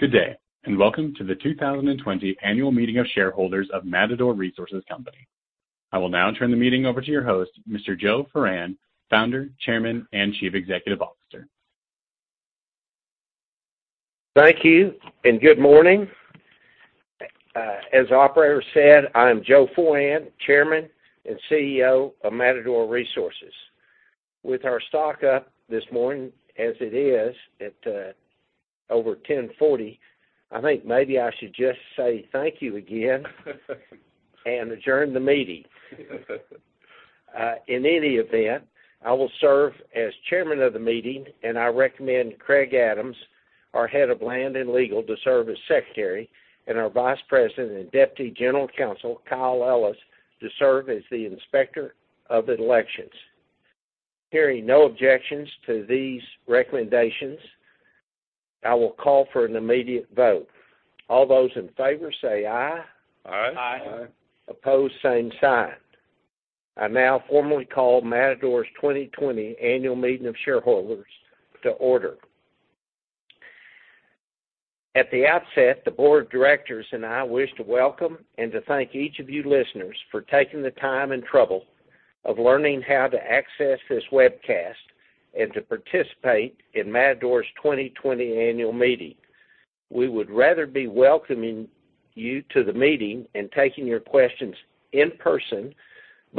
Good day, welcome to the 2020 annual meeting of shareholders of Matador Resources Company. I will now turn the meeting over to your host, Mr. Joe Foran, Founder, Chairman, and Chief Executive Officer. Thank you, good morning. As the operator said, I am Joe Foran, Chairman and CEO of Matador Resources. With our stock up this morning as it is at over $10.40, I think maybe I should just say thank you again, and adjourn the meeting. In any event, I will serve as chairman of the meeting, and I recommend Craig Adams, our head of land and legal, to serve as secretary, and our Vice President and Deputy General Counsel, Kyle Ellis, to serve as the inspector of the elections. Hearing no objections to these recommendations, I will call for an immediate vote. All those in favor say aye. Aye. Opposed same sign. I now formally call Matador's 2020 annual meeting of shareholders to order. At the outset, the board of directors and I wish to welcome and to thank each of you listeners for taking the time and trouble of learning how to access this webcast and to participate in Matador's 2020 annual meeting.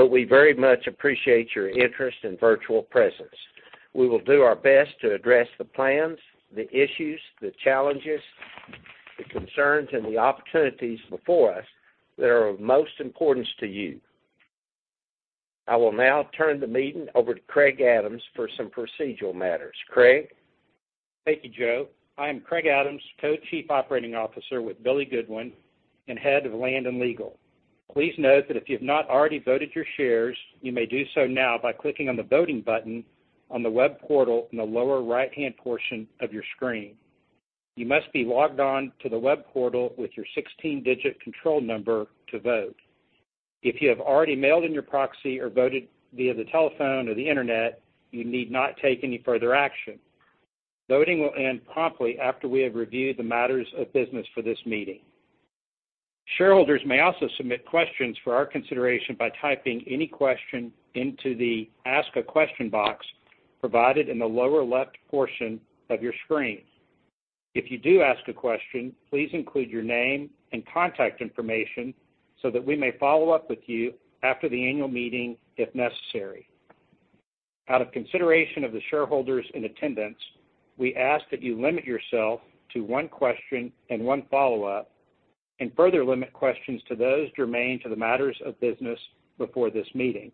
We very much appreciate your interest and virtual presence. We will do our best to address the plans, the issues, the challenges, the concerns, and the opportunities before us that are of most importance to you. I will now turn the meeting over to Craig Adams for some procedural matters. Craig? Thank you, Joe. I am Craig Adams, Co-Chief Operating Officer with Billy Goodwin and Head of Land and Legal. Please note that if you have not already voted your shares, you may do so now by clicking on the voting button on the web portal in the lower right-hand portion of your screen. You must be logged on to the web portal with your 16-digit control number to vote. If you have already mailed in your proxy or voted via the telephone or the internet, you need not take any further action. Voting will end promptly after we have reviewed the matters of business for this meeting. Shareholders may also submit questions for our consideration by typing any question into the Ask a Question box provided in the lower left portion of your screen. If you do ask a question, please include your name and contact information so that we may follow up with you after the annual meeting if necessary. Out of consideration of the shareholders in attendance, we ask that you limit yourself to one question and one follow-up, and further limit questions to those germane to the matters of business before this meeting.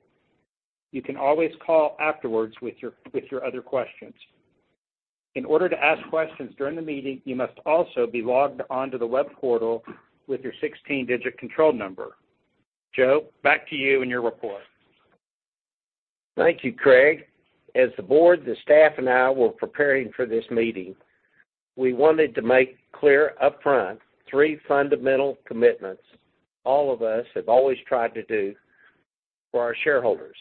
You can always call afterwards with your other questions. In order to ask questions during the meeting, you must also be logged on to the web portal with your 16-digit control number. Joe, back to you and your report. Thank you, Craig. As the board, the staff, and I were preparing for this meeting, we wanted to make clear upfront three fundamental commitments all of us have always tried to do for our shareholders.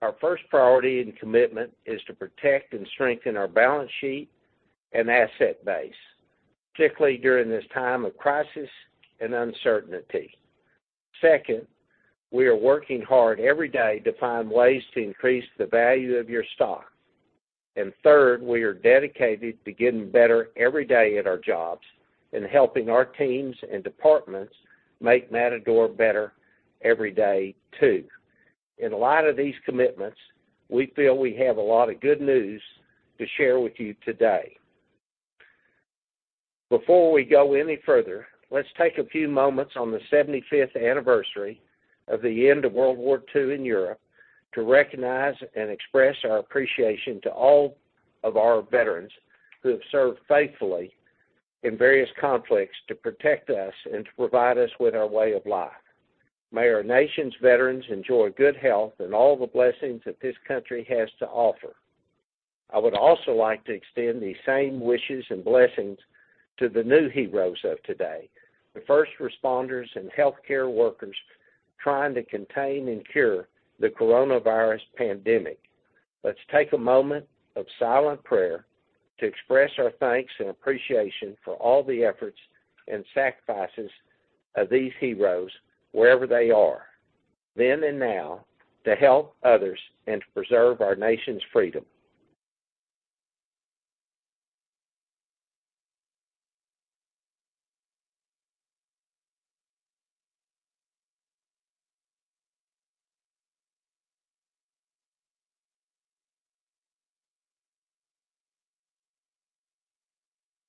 Our first priority and commitment is to protect and strengthen our balance sheet and asset base, particularly during this time of crisis and uncertainty. Second, we are working hard every day to find ways to increase the value of your stock. Third, we are dedicated to getting better every day at our jobs and helping our teams and departments make Matador better every day, too. In light of these commitments, we feel we have a lot of good news to share with you today. Before we go any further, let's take a few moments on the 75th anniversary of the end of World War II in Europe to recognize and express our appreciation to all of our veterans who have served faithfully in various conflicts to protect us and to provide us with our way of life. May our nation's veterans enjoy good health and all the blessings that this country has to offer. I would also like to extend these same wishes and blessings to the new heroes of today, the first responders and healthcare workers trying to contain and cure the coronavirus pandemic. Let's take a moment of silent prayer to express our thanks and appreciation for all the efforts and sacrifices of these heroes wherever they are, then and now, to help others and to preserve our nation's freedom.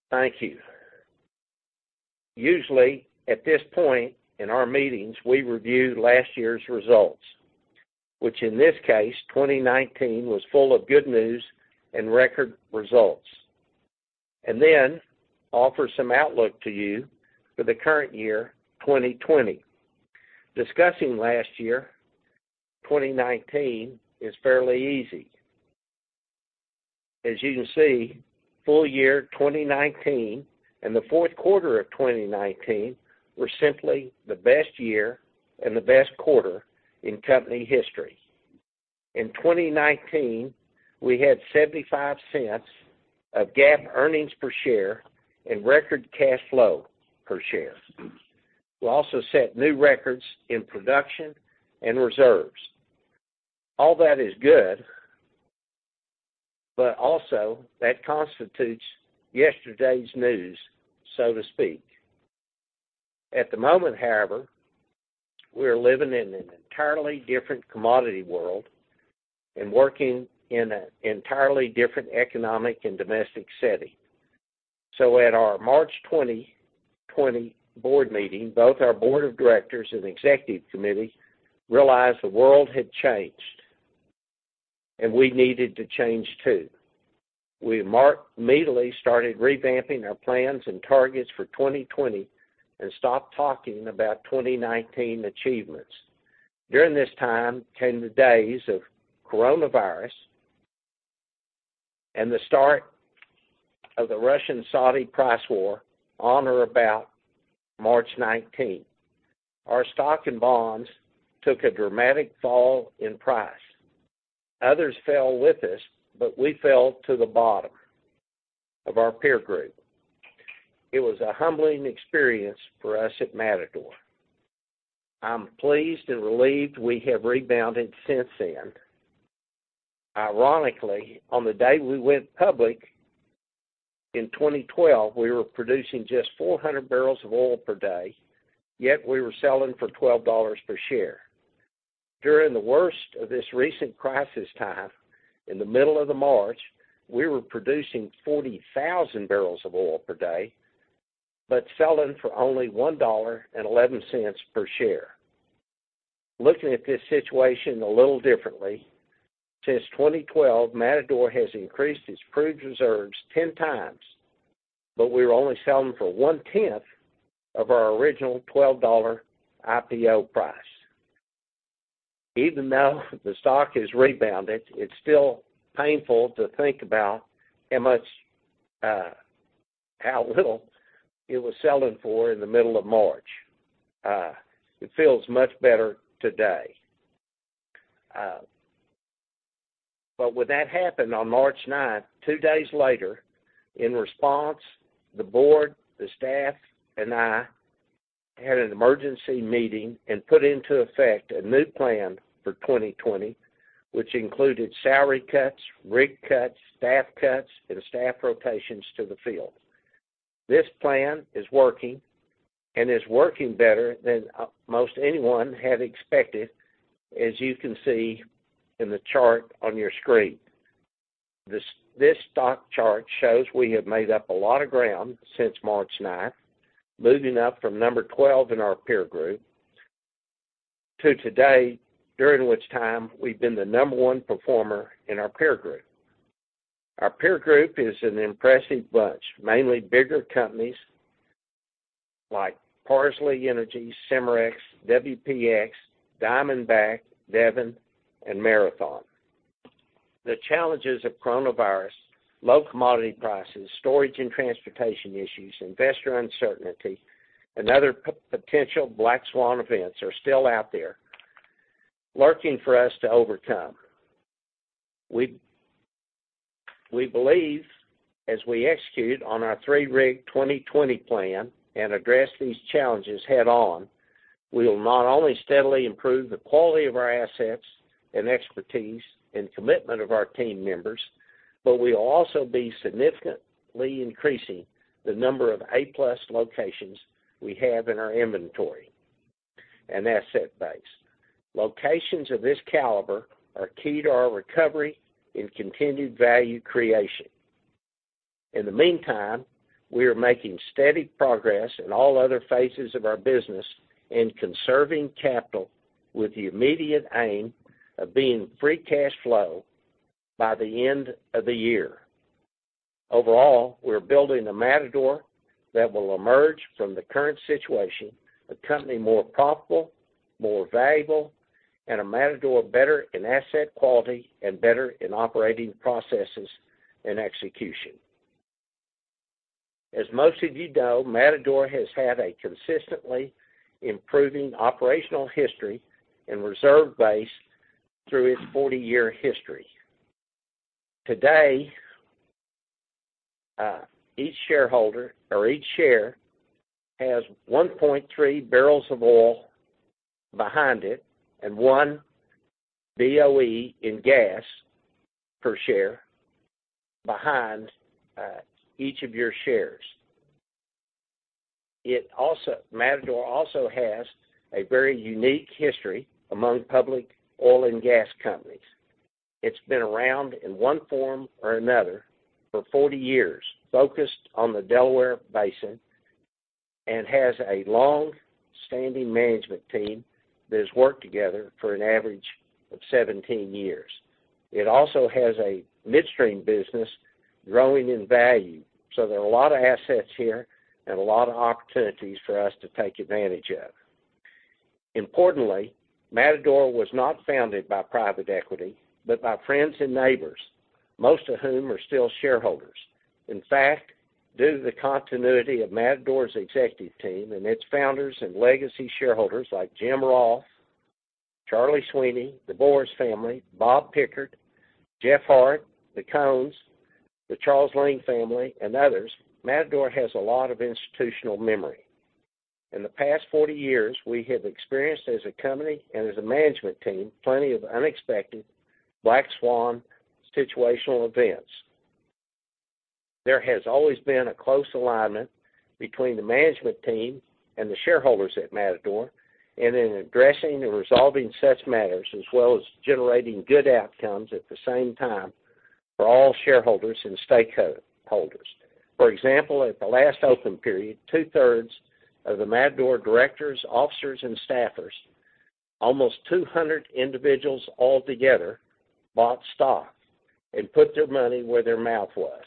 Thank you. Usually at this point in our meetings, we review last year's results, which in this case, 2019 was full of good news and record results, and then offer some outlook to you for the current year, 2020. Discussing last year, 2019, is fairly easy. As you can see, full year 2019 and the fourth quarter of 2019 were simply the best year and the best quarter in company history. In 2019, we had $0.75 of GAAP earnings per share and record cash flow per share. We also set new records in production and reserves. All that is good, but also that constitutes yesterday's news, so to speak. At the moment, however, we are living in an entirely different commodity world and working in an entirely different economic and domestic setting. At our March 2020 board meeting, both our board of directors and executive committee realized the world had changed, and we needed to change, too. We immediately started revamping our plans and targets for 2020 and stopped talking about 2019 achievements. During this time came the days of coronavirus and the start of the Russian-Saudi price war on or about March 19th. Our stock and bonds took a dramatic fall in price. Others fell with us, we fell to the bottom of our peer group. It was a humbling experience for us at Matador. I'm pleased and relieved we have rebounded since then. Ironically, on the day we went public in 2012, we were producing just 400 bbl of oil per day, yet we were selling for $12 per share. During the worst of this recent crisis time, in the middle of March, we were producing 40,000 bbl of oil per day, but selling for only $1.11 per share. Looking at this situation a little differently, since 2012, Matador has increased its proved reserves 10 times, but we were only selling for one-tenth of our original $12 IPO price. Even though the stock has rebounded, it is still painful to think about how little it was selling for in the middle of March. It feels much better today. When that happened on March 9th, two days later, in response, the board, the staff, and I had an emergency meeting and put into effect a new plan for 2020, which included salary cuts, rig cuts, staff cuts, and staff rotations to the field. This plan is working and is working better than almost anyone had expected, as you can see in the chart on your screen. This stock chart shows we have made up a lot of ground since March 9th, moving up from number 12 in our peer group to today, during which time we've been the number one performer in our peer group. Our peer group is an impressive bunch, mainly bigger companies like Parsley Energy, Cimarex, WPX, Diamondback, Devon, and Marathon. The challenges of coronavirus, low commodity prices, storage and transportation issues, investor uncertainty, and other potential black swan events are still out there lurking for us to overcome. We believe, as we execute on our three-rig 2020 plan and address these challenges head-on, we'll not only steadily improve the quality of our assets and expertise and commitment of our team members, but we'll also be significantly increasing the number of A+ locations we have in our inventory and asset base. Locations of this caliber are key to our recovery and continued value creation. In the meantime, we are making steady progress in all other phases of our business in conserving capital with the immediate aim of being free cash flow by the end of the year. Overall, we're building a Matador that will emerge from the current situation a company more profitable, more valuable, and a Matador better in asset quality and better in operating processes and execution. As most of you know, Matador has had a consistently improving operational history and reserve base through its 40-year history. Today, each shareholder or each share has 1.3 bbl of oil behind it and one BOE in gas per share behind each of your shares. Matador also has a very unique history among public oil and gas companies. It's been around in one form or another for 40 years, focused on the Delaware Basin, and has a long-standing management team that has worked together for an average of 17 years. It also has a midstream business growing in value. There are a lot of assets here and a lot of opportunities for us to take advantage of. Importantly, Matador was not founded by private equity, but by friends and neighbors, most of whom are still shareholders. In fact, due to the continuity of Matador's executive team and its founders and legacy shareholders like Jim Rolfe, Charlie Sweeney, the Boros family, Bob Pickard, Jeff Hart, the Cones, the Charles Ling family, and others, Matador has a lot of institutional memory. In the past 40 years, we have experienced as a company and as a management team, plenty of unexpected black swan situational events. There has always been a close alignment between the management team and the shareholders at Matador and in addressing and resolving such matters, as well as generating good outcomes at the same time for all shareholders and stakeholders. For example, at the last open period, two-thirds of the Matador directors, officers, and staffers, almost 200 individuals altogether, bought stock and put their money where their mouth was.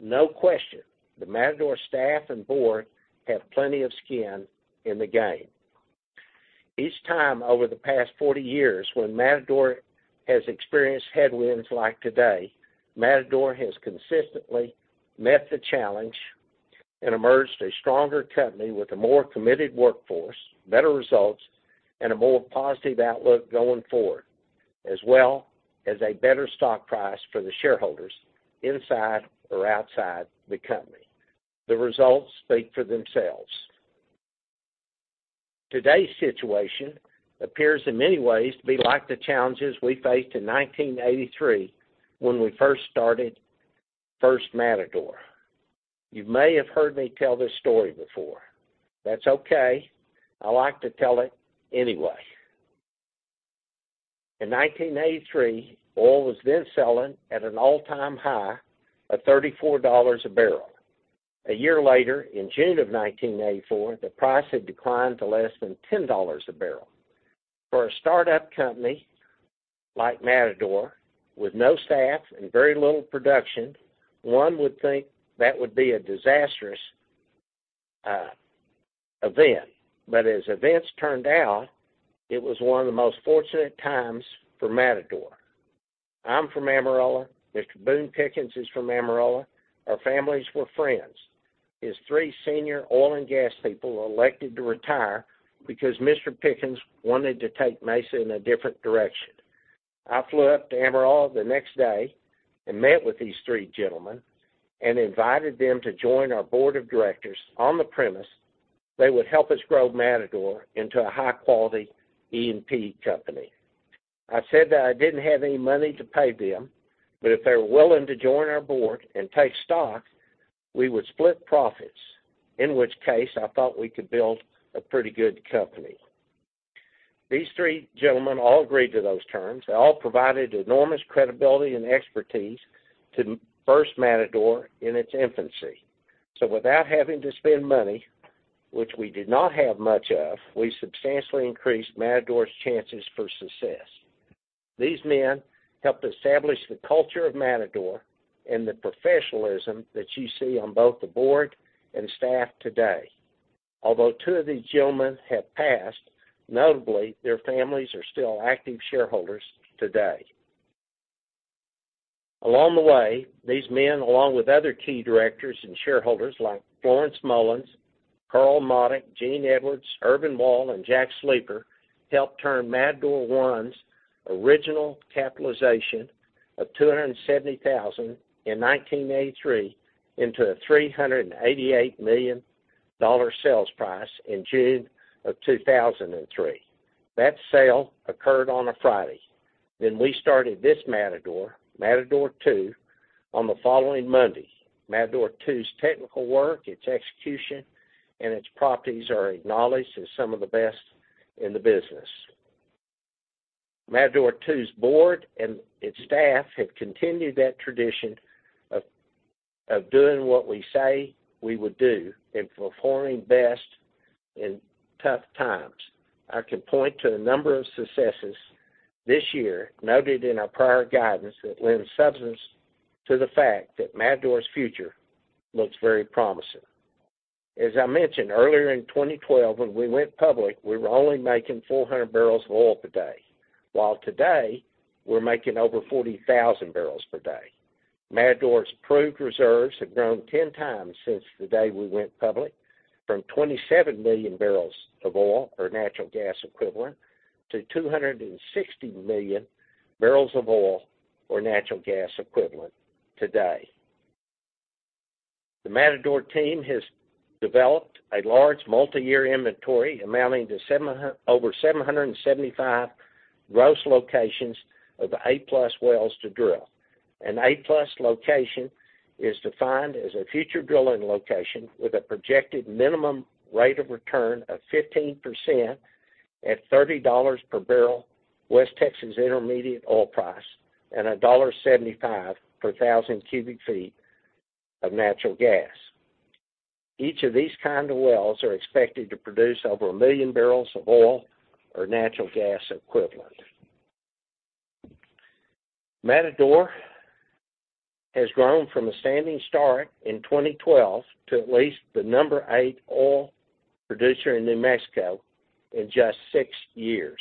No question, the Matador staff and board have plenty of skin in the game. Each time over the past 40 years when Matador has experienced headwinds like today, Matador has consistently met the challenge and emerged a stronger company with a more committed workforce, better results, and a more positive outlook going forward, as well as a better stock price for the shareholders inside or outside the company. The results speak for themselves. Today's situation appears in many ways to be like the challenges we faced in 1983 when we first started First Matador. You may have heard me tell this story before. That's okay. I like to tell it anyway. In 1983, oil was then selling at an all-time high of $34 a barrel. A year later, in June of 1984, the price had declined to less than $10 a barrel. For a startup company like Matador with no staff and very little production, one would think that would be a disastrous event. As events turned out, it was one of the most fortunate times for Matador. I'm from Amarillo. Mr. Boone Pickens is from Amarillo. Our families were friends. His three senior oil and gas people elected to retire because Mr. Pickens wanted to take Mesa in a different direction. I flew up to Amarillo the next day and met with these three gentlemen and invited them to join our board of directors on the premise they would help us grow Matador into a high-quality E&P company. I said that I didn't have any money to pay them, but if they were willing to join our board and take stock, we would split profits, in which case, I thought we could build a pretty good company. These three gentlemen all agreed to those terms. They all provided enormous credibility and expertise to First Matador in its infancy. Without having to spend money, which we did not have much of, we substantially increased Matador's chances for success. These men helped establish the culture of Matador and the professionalism that you see on both the board and staff today. Although two of these gentlemen have passed, notably, their families are still active shareholders today. Along the way, these men, along with other key directors and shareholders like Florence Mullins, Carl Modick, Gene Edwards, Urban Wall, and Jack Sleeper, helped turn Matador I's original capitalization of $270,000 in 1983 into a $388 million sales price in June of 2003. That sale occurred on a Friday. We started this Matador, Matador 2, on the following Monday. Matador 2's technical work, its execution, and its properties are acknowledged as some of the best in the business. Matador 2's board and its staff have continued that tradition of doing what we say we would do and performing best in tough times. I can point to a number of successes this year noted in our prior guidance that lends substance to the fact that Matador's future looks very promising. As I mentioned earlier in 2012, when we went public, we were only making 400 bbl of oil per day, while today, we're making over 40,000 bbl per day. Matador's proved reserves have grown 10 times since the day we went public, from 27 million barrels of oil or natural gas equivalent to 260 million barrels of oil or natural gas equivalent today. The Matador team has developed a large multi-year inventory amounting to over 775 gross locations of A+ wells to drill. An A+ location is defined as a future drilling location with a projected minimum rate of return of 15% at $30 per barrel West Texas Intermediate oil price and $1.75 per 1,000 cu ft of natural gas. Each of these kind of wells are expected to produce over 1 million barrels of oil or natural gas equivalent. Matador has grown from a standing start in 2012 to at least the number eight oil producer in New Mexico in just six years.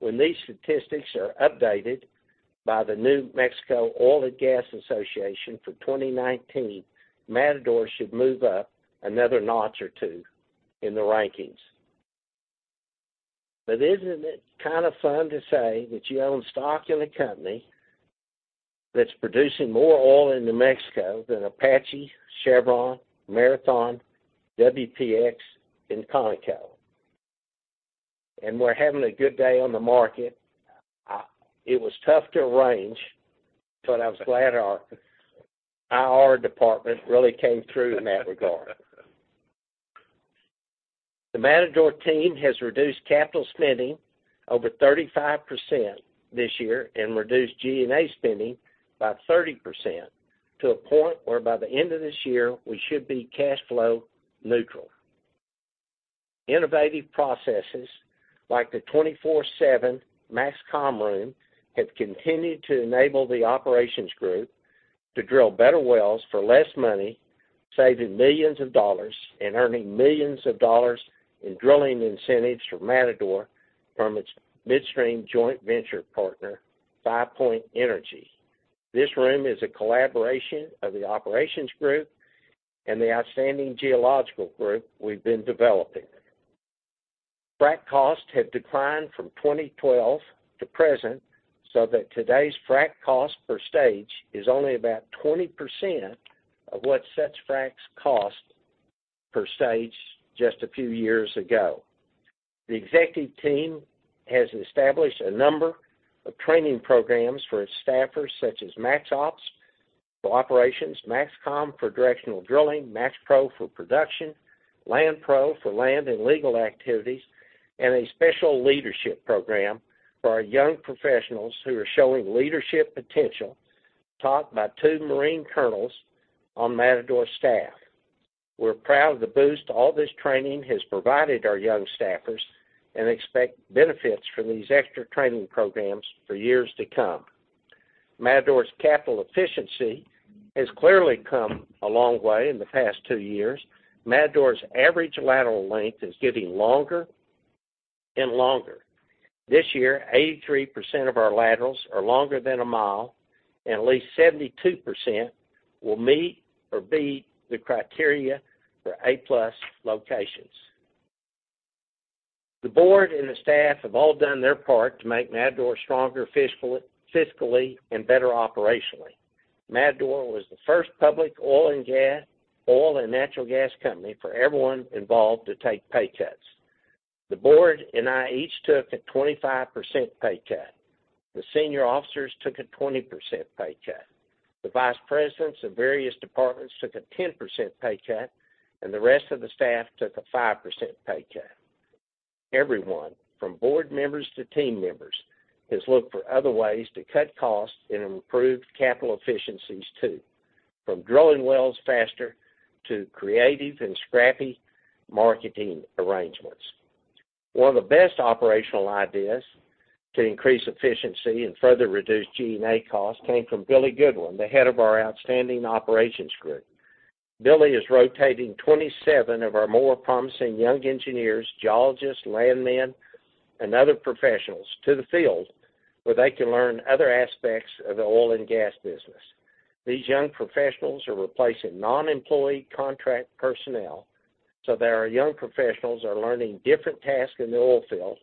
When these statistics are updated by the New Mexico Oil & Gas Association for 2019, Matador should move up another notch or two in the rankings. Isn't it kind of fun to say that you own stock in a company that's producing more oil in New Mexico than Apache, Chevron, Marathon, WPX, and Conoco? We're having a good day on the market. It was tough to arrange, but I was glad our IR department really came through in that regard. The Matador team has reduced CapEx over 35% this year and reduced G&A spending by 30% to a point where by the end of this year, we should be cash flow neutral. Innovative processes like the 24/7 MAXCOM room have continued to enable the operations group to drill better wells for less money, saving millions of dollars and earning millions of dollars in drilling incentives for Matador from its midstream joint venture partner, Five Point Energy. This room is a collaboration of the operations group and the outstanding geological group we've been developing. Frac costs have declined from 2012 to present, so that today's frac cost per stage is only about 20% of what such fracs cost per stage just a few years ago. The executive team has established a number of training programs for its staffers, such as MaxOps for operations, MAXCOM for directional drilling, MaxPro for production, LandPro for land and legal activities, and a special leadership program for our young professionals who are showing leadership potential, taught by two Marine colonels on Matador's staff. We're proud of the boost all this training has provided our young staffers and expect benefits from these extra training programs for years to come. Matador's capital efficiency has clearly come a long way in the past two years. Matador's average lateral length is getting longer and longer. This year, 83% of our laterals are longer than a mile, and at least 72% will meet or beat the criteria for A+ locations. The board and the staff have all done their part to make Matador stronger fiscally and better operationally. Matador was the first public oil and natural gas company for everyone involved to take pay cuts. The board and I each took a 25% pay cut. The senior officers took a 20% pay cut. The vice presidents of various departments took a 10% pay cut, and the rest of the staff took a 5% pay cut. Everyone, from board members to team members, has looked for other ways to cut costs and improve capital efficiencies too, from drilling wells faster to creative and scrappy marketing arrangements. One of the best operational ideas to increase efficiency and further reduce G&A costs came from Billy Goodwin, the head of our outstanding operations group. Billy is rotating 27 of our more promising young engineers, geologists, landmen, and other professionals to the field, where they can learn other aspects of the oil and gas business. These young professionals are replacing non-employee contract personnel so that our young professionals are learning different tasks in the oil field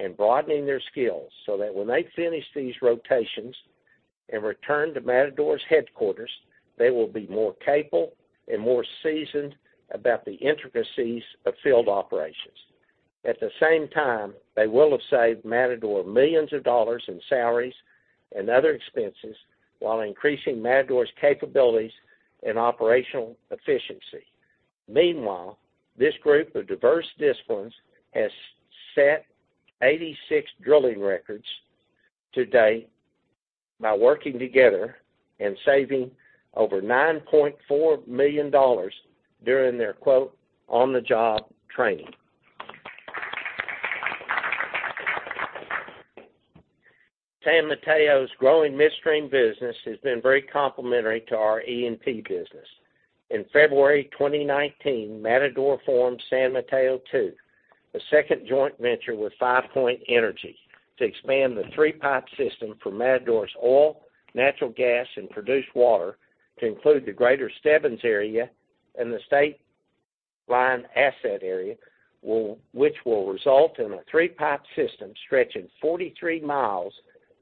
and broadening their skills, so that when they finish these rotations and return to Matador's headquarters, they will be more capable and more seasoned about the intricacies of field operations. At the same time, they will have saved Matador millions of dollars in salaries and other expenses while increasing Matador's capabilities and operational efficiency. Meanwhile, this group of diverse disciplines has set 86 drilling records to date by working together and saving over $9.4 million during their, quote, on-the-job training. San Mateo's growing midstream business has been very complementary to our E&P business. In February 2019, Matador formed San Mateo II, the second joint venture with Five Point Energy, to expand the three-pipe system for Matador's oil, natural gas, and produced water to Greater Stebbins Area and the Stateline asset area, which will result in a three-pipe system stretching 43 mi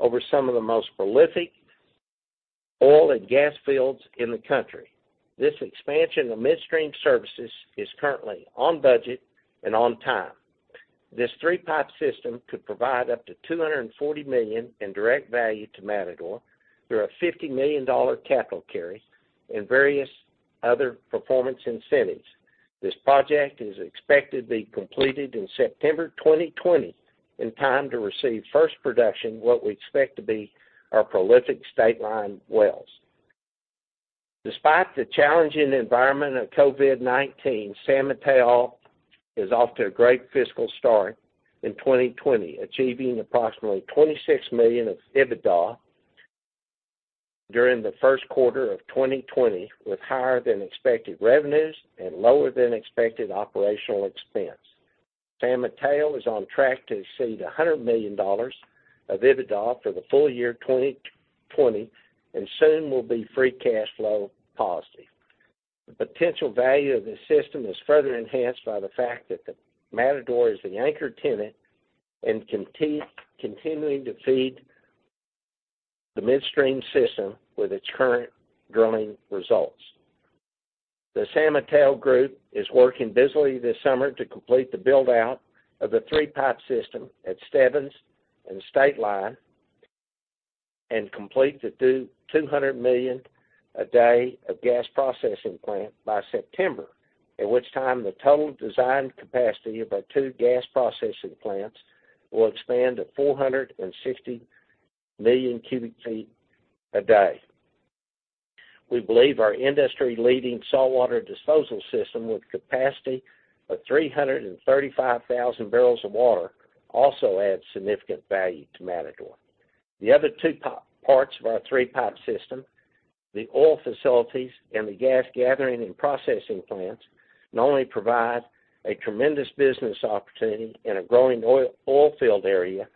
over some of the most prolific oil and gas fields in the country. This expansion of midstream services is currently on budget and on time. This three-pipe system could provide up to $240 million in direct value to Matador through a $50 million capital carry and various other performance incentives. This project is expected to be completed in September 2020 in time to receive first production in what we expect to be our prolific Stateline wells. Despite the challenging environment of COVID-19, San Mateo is off to a great fiscal start in 2020, achieving approximately $26 million of EBITDA during the first quarter of 2020, with higher than expected revenues and lower than expected operational expense. San Mateo is on track to exceed $100 million of EBITDA for the full year 2020, and soon will be free cash flow positive. The potential value of this system is further enhanced by the fact that the Matador is the anchor tenant and continuing to feed the midstream system with its current drilling results. The San Mateo Group is working busily this summer to complete the build-out of the three-pipe system at Stebbins and Stateline, and complete the 200 million a day of gas processing plant by September, at which time the total design capacity of our two gas processing plants will expand to 460 million cu ft a day. We believe our industry-leading saltwater disposal system, with capacity of 335,000 bbl of water, also adds significant value to Matador. The other two parts of our three-pipe system, the oil facilities and the gas gathering and processing plants, not only provide a tremendous business opportunity in a growing oil field area,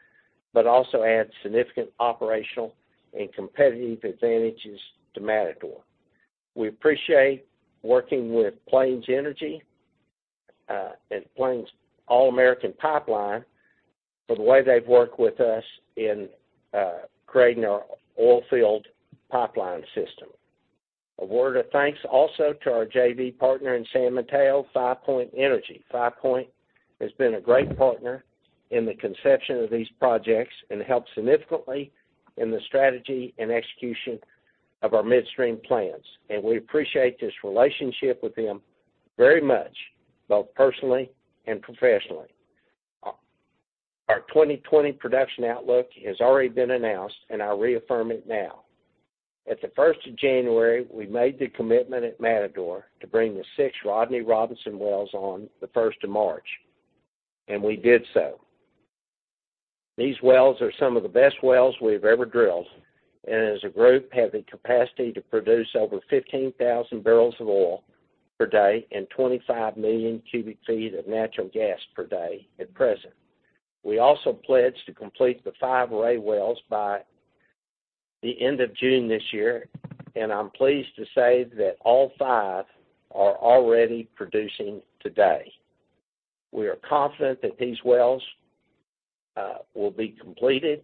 but also adds significant operational and competitive advantages to Matador. We appreciate working with Plains Energy and Plains All American Pipeline for the way they've worked with us in creating our oil field pipeline system. A word of thanks also to our JV partner in San Mateo, Five Point Energy. Five Point has been a great partner in the conception of these projects and helped significantly in the strategy and execution of our midstream plans. We appreciate this relationship with them very much, both personally and professionally. Our 2020 production outlook has already been announced. I reaffirm it now. At the 1st of January, we made the commitment at Matador Resources to bring the six Rodney Robinson wells on the 1st of March. We did so. These wells are some of the best wells we've ever drilled. As a group, have the capacity to produce over 15,000 barrels of oil per day and 25 million cubic feet of natural gas per day at present. We also pledged to complete the five Ray wells by the end of June this year, and I'm pleased to say that all five are already producing today. We are confident that these wells will be completed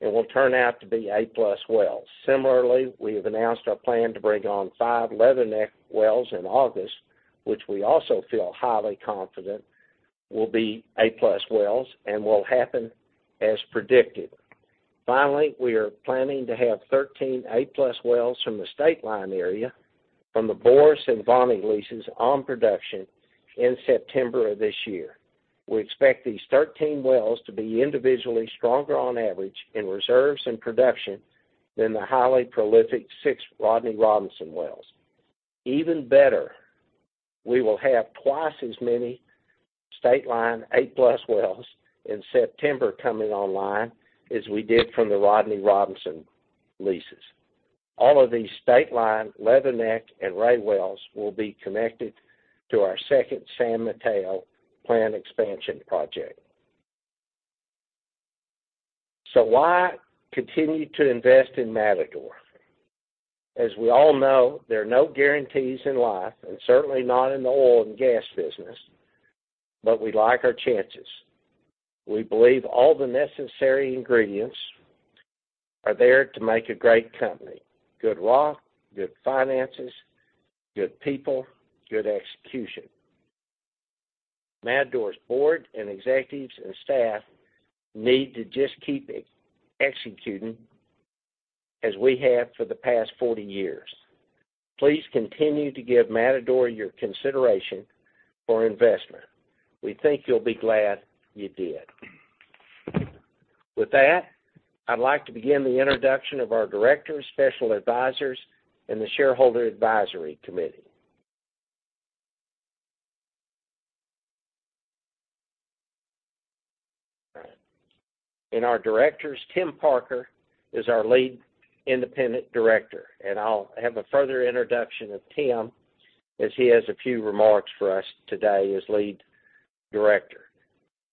and will turn out to be A+ wells. Similarly, we have announced our plan to bring on five Leatherneck wells in August, which we also feel highly confident will be A+ wells and will happen as predicted. Finally, we are planning to have 13 A+ wells from the Stateline area from the Boros and Voni leases on production in September of this year. We expect these 13 wells to be individually stronger on average in reserves and production than the highly prolific six Rodney Robinson wells. Even better, we will have twice as many Stateline A+ wells in September coming online as we did from the Rodney Robinson leases. All of these Stateline, Leatherneck, and Ray wells will be connected to our second San Mateo planned expansion project. Why continue to invest in Matador? As we all know, there are no guarantees in life, and certainly not in the oil and gas business. We like our chances. We believe all the necessary ingredients are there to make a great company. Good luck, good finances, good people, good execution. Matador's board and executives and staff need to just keep executing as we have for the past 40 years. Please continue to give Matador your consideration for investment. We think you'll be glad you did. With that, I'd like to begin the introduction of our directors, special advisors, and the shareholder advisory committee. All right. In our directors, Tim Parker is our lead independent director. I'll have a further introduction of Tim as he has a few remarks for us today as lead director.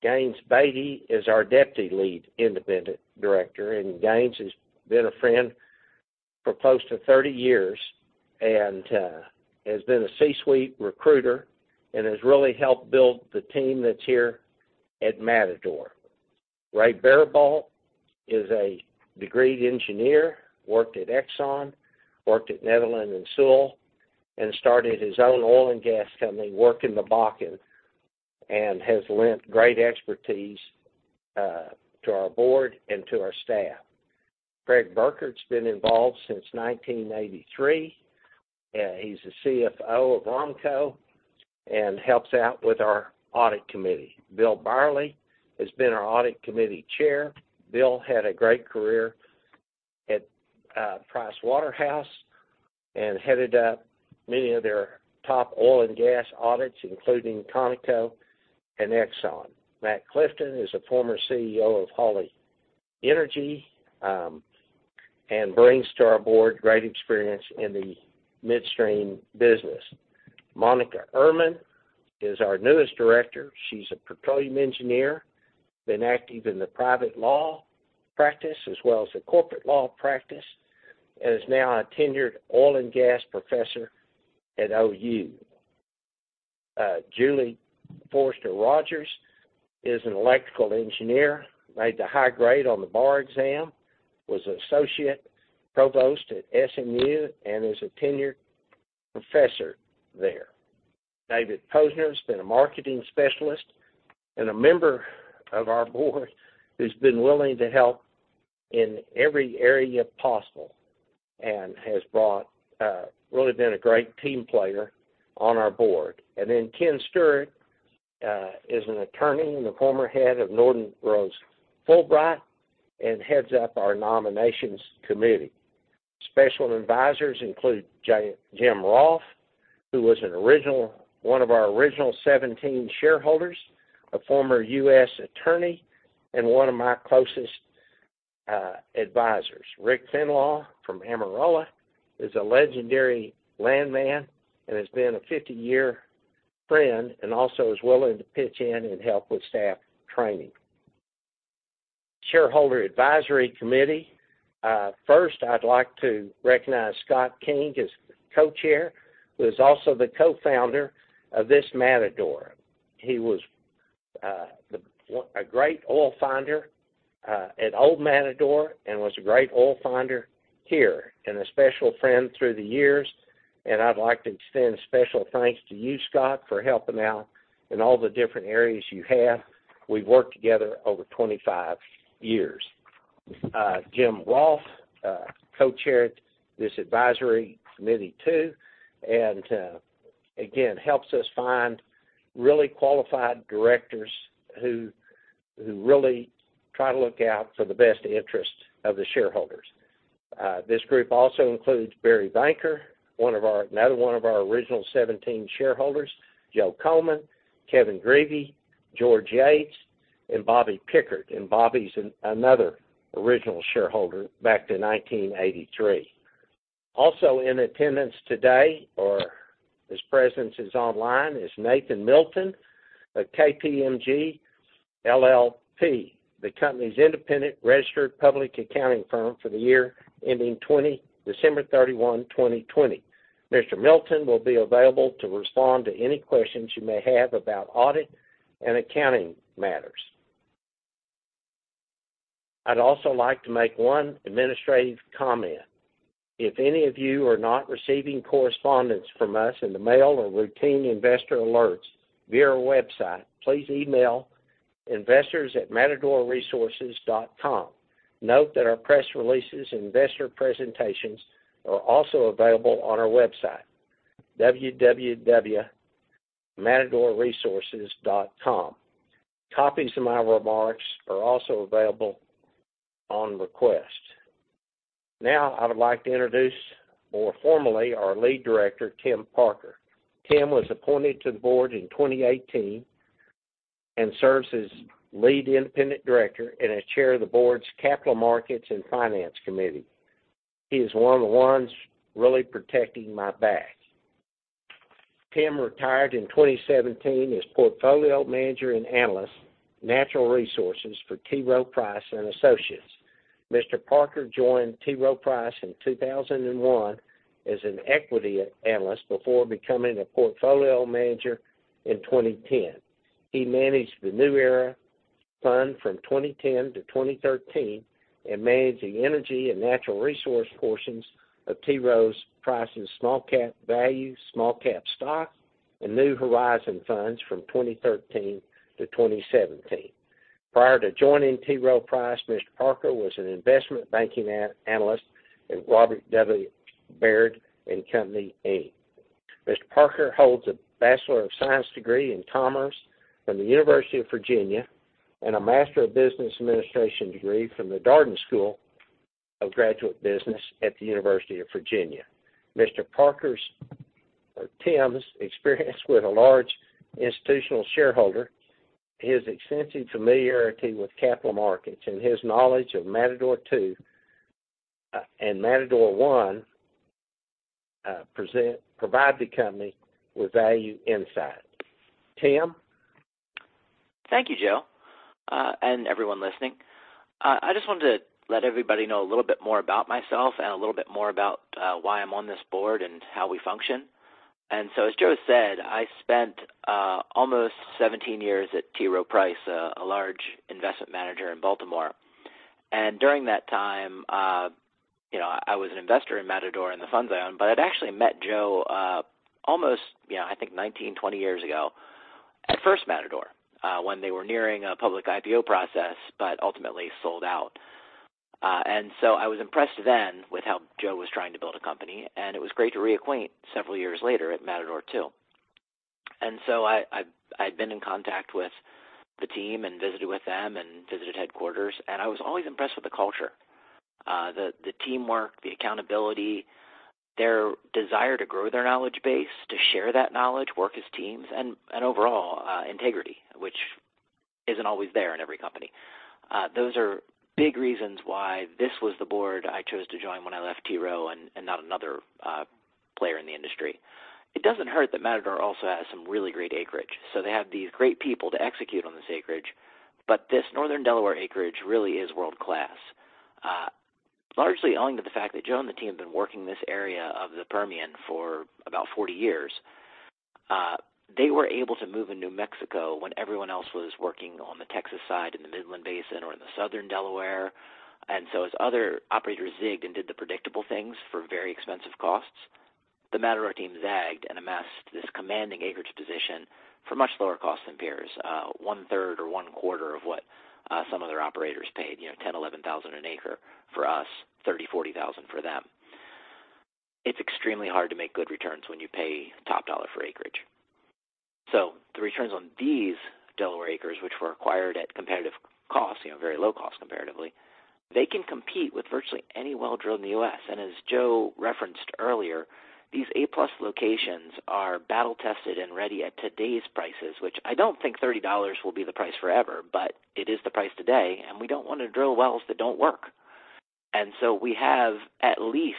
Gaines Baty is our deputy lead independent director. Gaines has been a friend for close to 30 years, has been a C-suite recruiter, has really helped build the team that's here at Matador. Ray Baribault is a degreed engineer, worked at Exxon, worked at Netherland and Sewell, started his own oil and gas company, worked in the Bakken, has lent great expertise to our board and to our staff. Craig Burkert's been involved since 1983. He's the CFO of ROMCO. Helps out with our Audit Committee. Bill Byerley has been our Audit Committee Chair. Bill had a great career at Pricewaterhouse, and headed up many of their top oil and gas audits, including Conoco and Exxon. Matt Clifton is a former CEO of Holly Energy, and brings to our board great experience in the midstream business. Monika Ehrman is our newest director. She's a petroleum engineer, been active in the private law practice as well as the corporate law practice, and is now a tenured oil and gas professor at OU. Julie Forrester Rogers is an electrical engineer, made the high grade on the bar exam, was associate provost at SMU, and is a tenured professor there. David Posner has been a marketing specialist and a member of our board who's been willing to help in every area possible, and has really been a great team player on our board. Ken Stewart is an attorney and the former head of Norton Rose Fulbright, and heads up our nominations committee. Special advisors include Jim Rolfe, who was one of our original 17 shareholders, a former U.S. attorney, and one of my closest advisors. Rick Fenlaw from Amarillo is a legendary landman, and has been a 50-year friend, and also is willing to pitch in and help with staff training. Shareholder advisory committee. First, I'd like to recognize Scott King as co-chair, who is also the co-founder of this Matador Resources. He was a great oil finder at First Matador and was a great oil finder here, and a special friend through the years. I'd like to extend special thanks to you, Scott, for helping out in all the different areas you have. We've worked together over 25 years. Jim Rolfe co-chaired this advisory committee too, again, helps us find really qualified directors who really try to look out for the best interest of the shareholders. This group also includes Barry Banker, another one of our original 17 shareholders, Joe Coleman, Kevin Greevy, George Yates, and Bobby Pickard. Bobby's another original shareholder back to 1983. Also in attendance today, or his presence is online, is Nathan Milton of KPMG LLP, the company's independent registered public accounting firm for the year ending December 31, 2020. Mr. Milton will be available to respond to any questions you may have about audit and accounting matters. I'd also like to make one administrative comment. If any of you are not receiving correspondence from us in the mail or routine investor alerts via our website, please email investors@matadorresources.com. Note that our press releases and investor presentations are also available on our website, www.matadorresources.com. Copies of my remarks are also available on request. I would like to introduce more formally our lead director, Tim Parker. Tim was appointed to the board in 2018 and serves as Lead Independent Director and as Chair of the Board's Capital Markets and Finance Committee. He is one of the ones really protecting my back. Tim retired in 2017 as portfolio manager and analyst, natural resources for T. Rowe Price Associates. Mr. Parker joined T. Rowe Price in 2001 as an equity analyst before becoming a portfolio manager in 2010. He managed the New Era fund from 2010 to 2013 and managed the energy and natural resource portions of T. Rowe Price's Small-Cap Value, Small-Cap Stock, and New Horizons funds from 2013 to 2017. Prior to joining T. Rowe Price, Mr. Parker was an investment banking analyst at Robert W. Baird & Co. Incorporated. Mr. Parker holds a Bachelor of Science degree in Commerce from the University of Virginia and a Master of Business Administration degree from the Darden School of Business at the University of Virginia. Tim's experience with a large institutional shareholder, his extensive familiarity with capital markets, and his knowledge of Matador 2 and Matador 1 provide the company with value insight. Tim? Thank you, Joe, and everyone listening. I just wanted to let everybody know a little bit more about myself and a little bit more about why I'm on this board and how we function. As Joe said, I spent almost 17 years at T. Rowe Price, a large investment manager in Baltimore. During that time, I was an investor in Matador in the funds I owned, but I'd actually met Joe almost, I think, 19, 20 years ago at First Matador, when they were nearing a public IPO process, but ultimately sold out. I was impressed then with how Joe was trying to build a company, and it was great to reacquaint several years later at Matador Two. I'd been in contact with the team and visited with them and visited headquarters, and I was always impressed with the culture. The teamwork, the accountability, their desire to grow their knowledge base, to share that knowledge, work as teams, and overall, integrity, which isn't always there in every company. Those are big reasons why this was the board I chose to join when I left T. Rowe and not another player in the industry. It doesn't hurt that Matador also has some really great acreage. They have these great people to execute on this acreage. This Northern Delaware acreage really is world-class. Largely owing to the fact that Joe and the team have been working this area of the Permian for about 40 years. They were able to move in New Mexico when everyone else was working on the Texas side, in the Midland Basin or in the southern Delaware. As other operators zigged and did the predictable things for very expensive costs, the Matador team zagged and amassed this commanding acreage position for much lower costs than peers. One third or one quarter of what some other operators paid, $10,000, $11,000 an acre for us, $30,000, $40,000 for them. It's extremely hard to make good returns when you pay top dollar for acreage. The returns on these Delaware acres, which were acquired at competitive costs, very low cost comparatively, they can compete with virtually any well drilled in the U.S. As Joe referenced earlier, these A+ locations are battle-tested and ready at today's prices, which I don't think $30 will be the price forever, but it is the price today, and we don't want to drill wells that don't work. We have at least,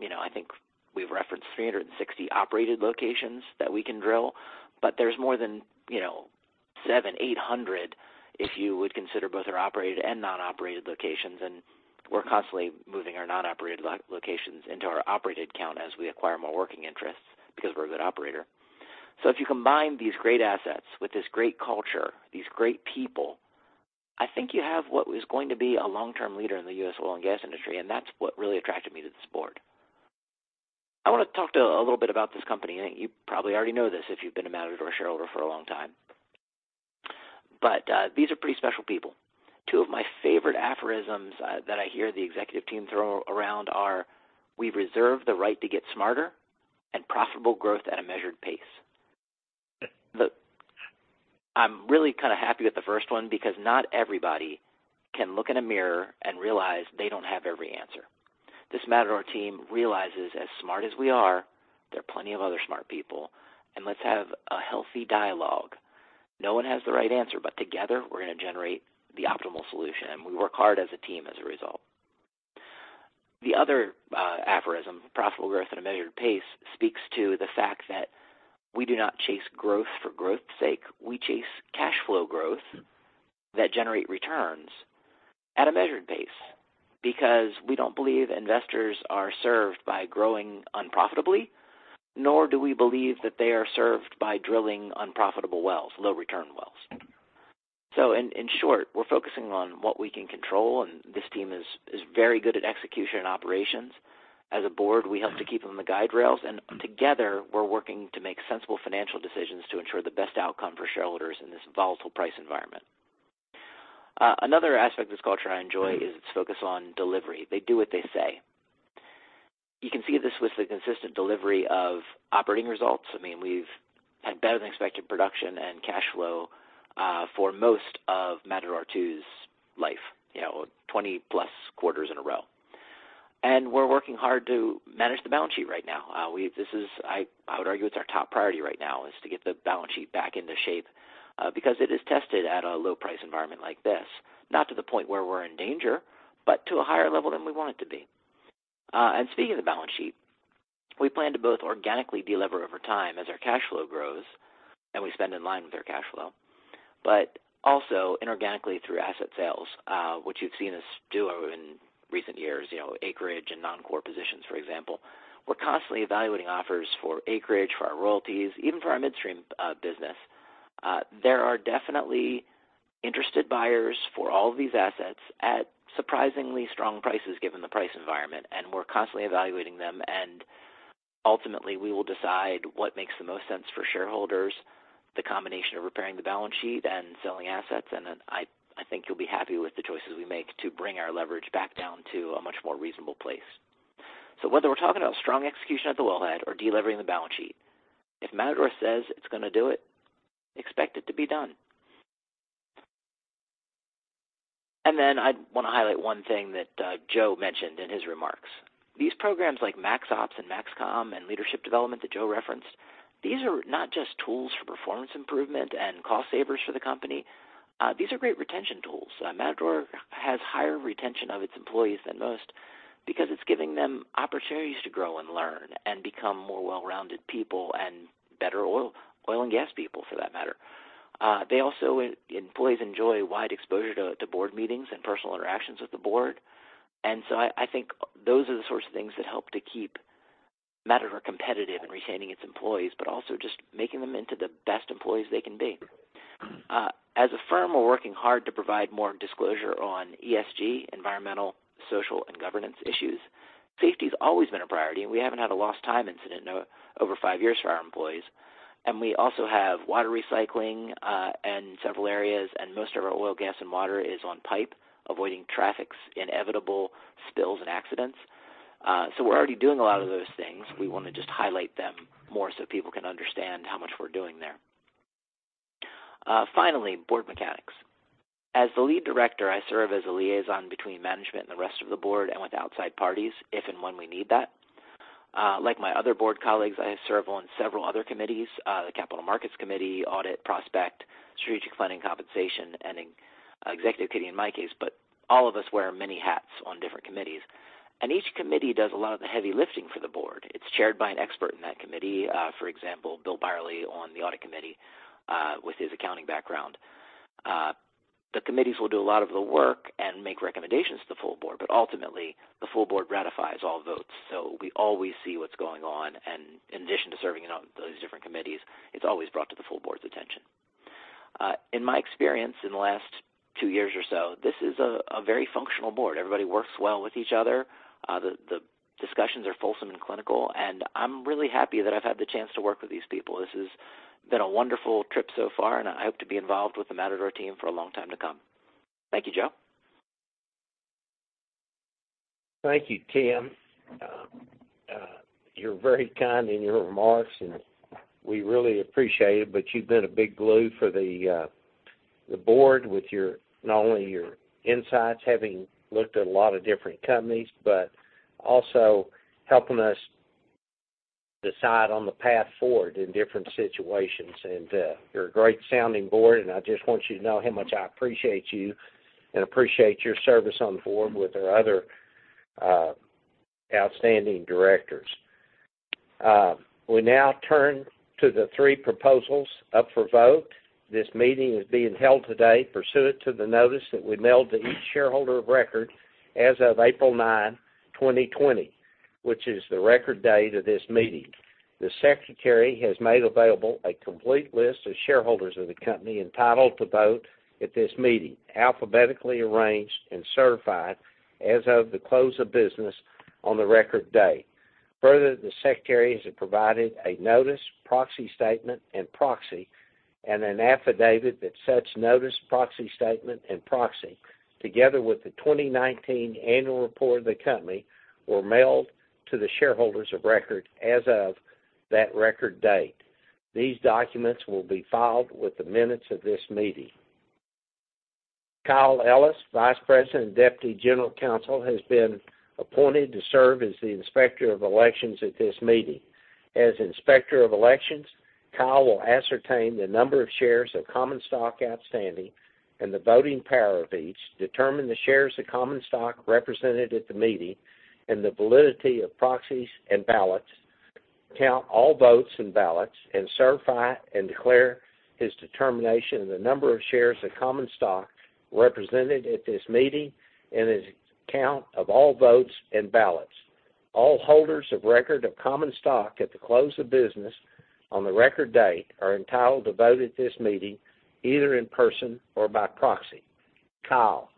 I think we've referenced 360 operated locations that we can drill, but there's more than 700, 800 if you would consider both our operated and non-operated locations. We're constantly moving our non-operated locations into our operated count as we acquire more working interests because we're a good operator. If you combine these great assets with this great culture, these great people, I think you have what is going to be a long-term leader in the U.S. oil and gas industry, and that's what really attracted me to this board. I want to talk a little bit about this company, and you probably already know this if you've been a Matador shareholder for a long time. These are pretty special people. Two of my favorite aphorisms that I hear the executive team throw around are, "We reserve the right to get smarter," and, "Profitable growth at a measured pace." I'm really happy with the first one because not everybody can look in a mirror and realize they don't have every answer. This Matador team realizes as smart as we are, there are plenty of other smart people, and let's have a healthy dialogue. No one has the right answer, but together, we're going to generate the optimal solution, and we work hard as a team as a result. The other aphorism, "Profitable growth at a measured pace," speaks to the fact that we do not chase growth for growth's sake. We chase cash flow growth that generate returns at a measured pace because we don't believe investors are served by growing unprofitably, nor do we believe that they are served by drilling unprofitable wells, low return wells. In short, we're focusing on what we can control, and this team is very good at execution and operations. As a board, we help to keep them in the guide rails, and together, we're working to make sensible financial decisions to ensure the best outcome for shareholders in this volatile price environment. Another aspect of this culture I enjoy is its focus on delivery. They do what they say. You can see this with the consistent delivery of operating results. We've had better than expected production and cash flow for most of Matador Two's life, 20+ quarters in a row. We're working hard to manage the balance sheet right now. I would argue it's our top priority right now is to get the balance sheet back into shape because it is tested at a low price environment like this, not to the point where we're in danger, but to a higher level than we want it to be. Speaking of the balance sheet, we plan to both organically delever over time as our cash flow grows and we spend in line with our cash flow. Also inorganically through asset sales, which you've seen us do in recent years, acreage and non-core positions, for example. We're constantly evaluating offers for acreage, for our royalties, even for our midstream business. There are definitely interested buyers for all of these assets at surprisingly strong prices given the price environment, and we're constantly evaluating them. Ultimately, we will decide what makes the most sense for shareholders, the combination of repairing the balance sheet and selling assets, then I think you'll be happy with the choices we make to bring our leverage back down to a much more reasonable place. Whether we're talking about strong execution at the wellhead or delevering the balance sheet, if Matador says it's going to do it, expect it to be done. Then I want to highlight one thing that Joe mentioned in his remarks. These programs like MaxOps and MAXCOM and leadership development that Joe referenced, these are not just tools for performance improvement and cost savers for the company. These are great retention tools. Matador has higher retention of its employees than most because it's giving them opportunities to grow and learn and become more well-rounded people and better oil and gas people for that matter. Employees enjoy wide exposure to board meetings and personal interactions with the board. I think those are the sorts of things that help to keep Matador competitive in retaining its employees, but also just making them into the best employees they can be. As a firm, we're working hard to provide more disclosure on ESG, environmental, social, and governance issues. Safety's always been a priority, and we haven't had a lost time incident in over five years for our employees. We also have water recycling in several areas, and most of our oil, gas, and water is on pipe, avoiding traffic's inevitable spills and accidents. We're already doing a lot of those things. We want to just highlight them more so people can understand how much we're doing there. Finally, board mechanics. As the lead director, I serve as a liaison between management and the rest of the board and with outside parties if and when we need that. Like my other board colleagues, I serve on several other committees, the Capital Markets Committee, Audit, Prospect, Strategic Planning, Compensation, and Executive Committee in my case, but all of us wear many hats on different committees. Each committee does a lot of the heavy lifting for the board. It's chaired by an expert in that committee, for example, Bill Byerley on the Audit Committee, with his accounting background. The committees will do a lot of the work and make recommendations to the full board, but ultimately, the full board ratifies all votes. We always see what's going on, and in addition to serving on those different committees, it's always brought to the full board's attention. In my experience in the last two years or so, this is a very functional board. Everybody works well with each other. The discussions are fulsome and clinical, and I'm really happy that I've had the chance to work with these people. This has been a wonderful trip so far, and I hope to be involved with the Matador team for a long time to come. Thank you, Joe. Thank you, Tim. You're very kind in your remarks, and we really appreciate it, but you've been a big glue for the board with not only your insights, having looked at a lot of different companies, but also helping us decide on the path forward in different situations. You're a great sounding board, and I just want you to know how much I appreciate you and appreciate your service on the board with our other outstanding directors. We now turn to the three proposals up for vote. This meeting is being held today pursuant to the notice that we mailed to each shareholder of record as of April 9, 2020, which is the record date of this meeting. The Secretary has made available a complete list of shareholders of the company entitled to vote at this meeting, alphabetically arranged and certified as of the close of business on the record date. The Secretary has provided a notice, proxy statement, and proxy, and an affidavit that such notice, proxy statement, and proxy, together with the 2019 annual report of the company, were mailed to the shareholders of record as of that record date. These documents will be filed with the minutes of this meeting. Kyle Ellis, Vice President and Deputy General Counsel, has been appointed to serve as the Inspector of Elections at this meeting. As Inspector of Elections, Kyle will ascertain the number of shares of common stock outstanding and the voting power of each, determine the shares of common stock represented at the meeting, and the validity of proxies and ballots, count all votes and ballots, and certify and declare his determination of the number of shares of common stock represented at this meeting and his count of all votes and ballots. All holders of record of common stock at the close of business on the record date are entitled to vote at this meeting, either in person or by proxy. Kyle,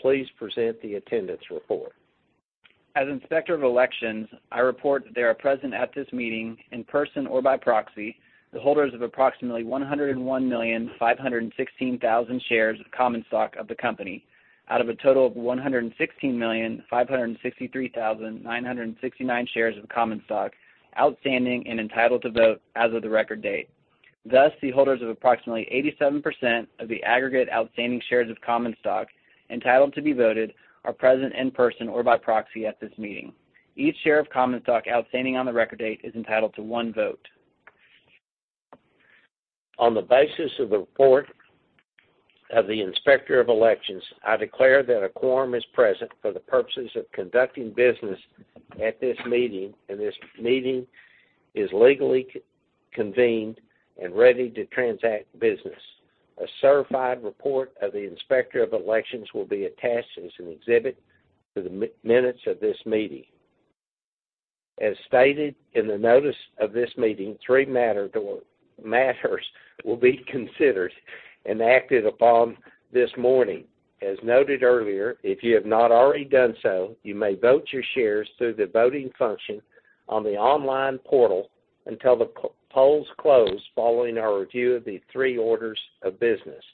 please present the attendance report. As Inspector of Elections, I report that there are present at this meeting, in person or by proxy, the holders of approximately 101,516,000 shares of common stock of the company, out of a total of 116,563,969 shares of common stock outstanding and entitled to vote as of the record date. The holders of approximately 87% of the aggregate outstanding shares of common stock entitled to be voted are present in person or by proxy at this meeting. Each share of common stock outstanding on the record date is entitled to one vote. On the basis of the report of the Inspector of Elections, I declare that a quorum is present for the purposes of conducting business at this meeting, and this meeting is legally convened and ready to transact business. A certified report of the Inspector of Elections will be attached as an exhibit to the minutes of this meeting. As stated in the notice of this meeting, three matters will be considered and acted upon this morning. As noted earlier, if you have not already done so, you may vote your shares through the voting function on the online portal until the polls close following our review of the three orders of business.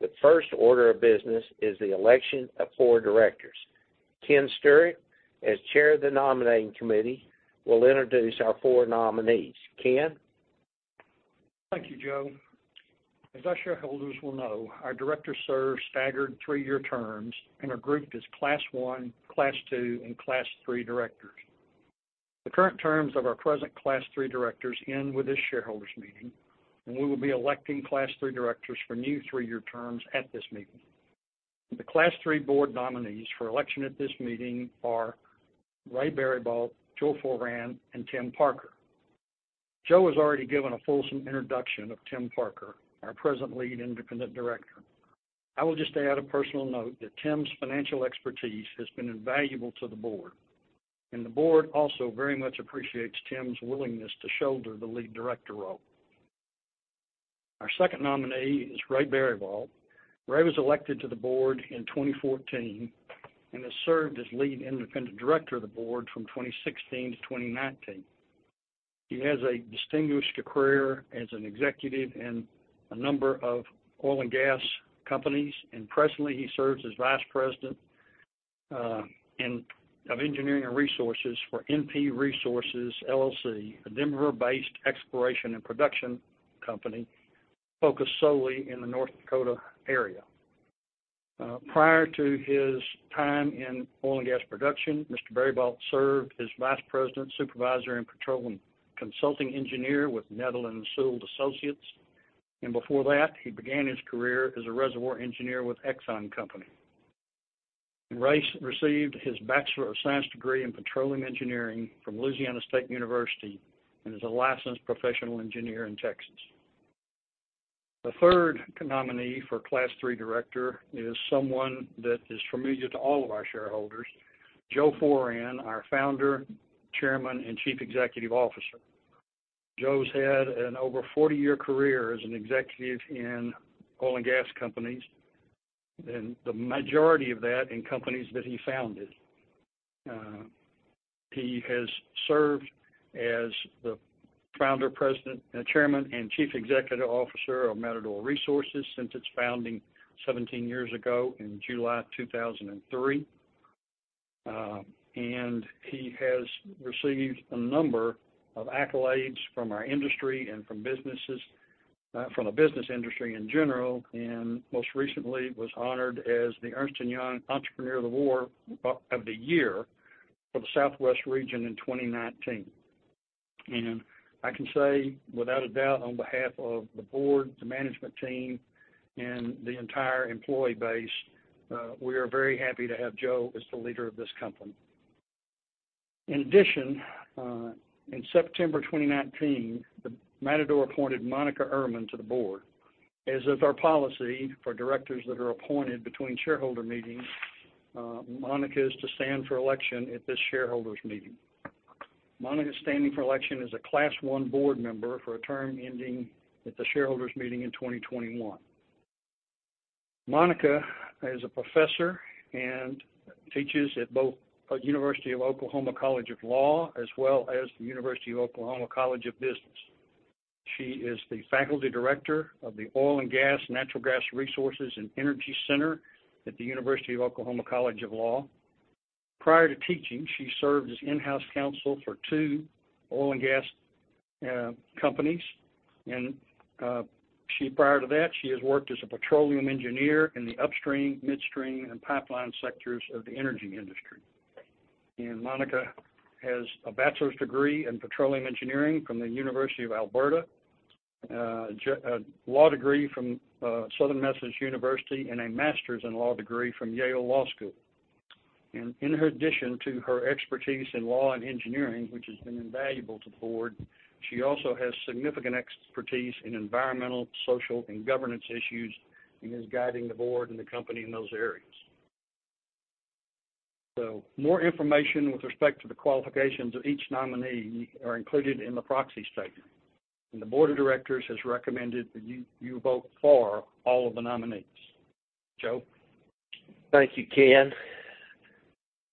The first order of business is the election of four directors. Ken Stewart, as Chair of the Nominating Committee, will introduce our four nominees. Ken? Thank you, Joe. As our shareholders will know, our directors serve staggered three-year terms and are grouped as Class I, Class II, and Class III directors. The current terms of our present Class III directors end with this shareholders' meeting, and we will be electing Class III directors for new three-year terms at this meeting. The Class III board nominees for election at this meeting are Reynald Baribault, Joe Foran, and Tim Parker. Joe has already given a fulsome introduction of Tim Parker, our present Lead Independent Director. I will just add a personal note that Tim's financial expertise has been invaluable to the board, and the board also very much appreciates Tim's willingness to shoulder the lead director role. Our second nominee is Reynald Baribault. Reynald was elected to the board in 2014 and has served as lead independent director of the board from 2016 to 2019. He has a distinguished career as an executive in a number of oil and gas companies, and presently he serves as vice president of engineering and resources for NP Resources LLC, a Denver-based exploration and production company focused solely in the North Dakota area. Prior to his time in oil and gas production, Mr. Baribault served as vice president, supervisor in petroleum, consulting engineer with Netherland, Sewell & Associates, Inc. Before that, he began his career as a reservoir engineer with Exxon Company. Ray received his Bachelor of Science degree in petroleum engineering from Louisiana State University and is a licensed professional engineer in Texas. The third nominee for Class 3 director is someone that is familiar to all of our shareholders, Joe Foran, our Founder, Chairman, and Chief Executive Officer. Joe's had an over 40-year career as an executive in oil and gas companies, and the majority of that in companies that he founded. He has served as the Founder, President, Chairman, and Chief Executive Officer of Matador Resources since its founding 17 years ago in July 2003. He has received a number of accolades from our industry and from the business industry in general, and most recently was honored as the Ernst & Young Entrepreneur of the Year for the Southwest region in 2019. I can say without a doubt, on behalf of the board, the management team, and the entire employee base, we are very happy to have Joe as the leader of this company. In addition, in September 2019, Matador appointed Monika Ehrman to the board. As is our policy for directors that are appointed between shareholder meetings, Monika is to stand for election at this shareholders meeting. Monika is standing for election as a class 1 board member for a term ending at the shareholders meeting in 2021. Monika is a professor and teaches at both University of Oklahoma College of Law, as well as the University of Oklahoma College of Business. She is the faculty director of the Oil and Gas, Natural Resources, and Energy Center at the University of Oklahoma College of Law. Prior to teaching, she served as in-house counsel for two oil and gas companies, and prior to that, she has worked as a petroleum engineer in the upstream, midstream, and pipeline sectors of the energy industry. Monika has a bachelor's degree in petroleum engineering from the University of Alberta, a law degree from Southern Methodist University, and a master's in law degree from Yale Law School. In addition to her expertise in law and engineering, which has been invaluable to the board, she also has significant expertise in environmental, social, and governance issues and is guiding the board and the company in those areas. More information with respect to the qualifications of each nominee are included in the proxy statement, and the board of directors has recommended that you vote for all of the nominees. Joe? Thank you, Ken.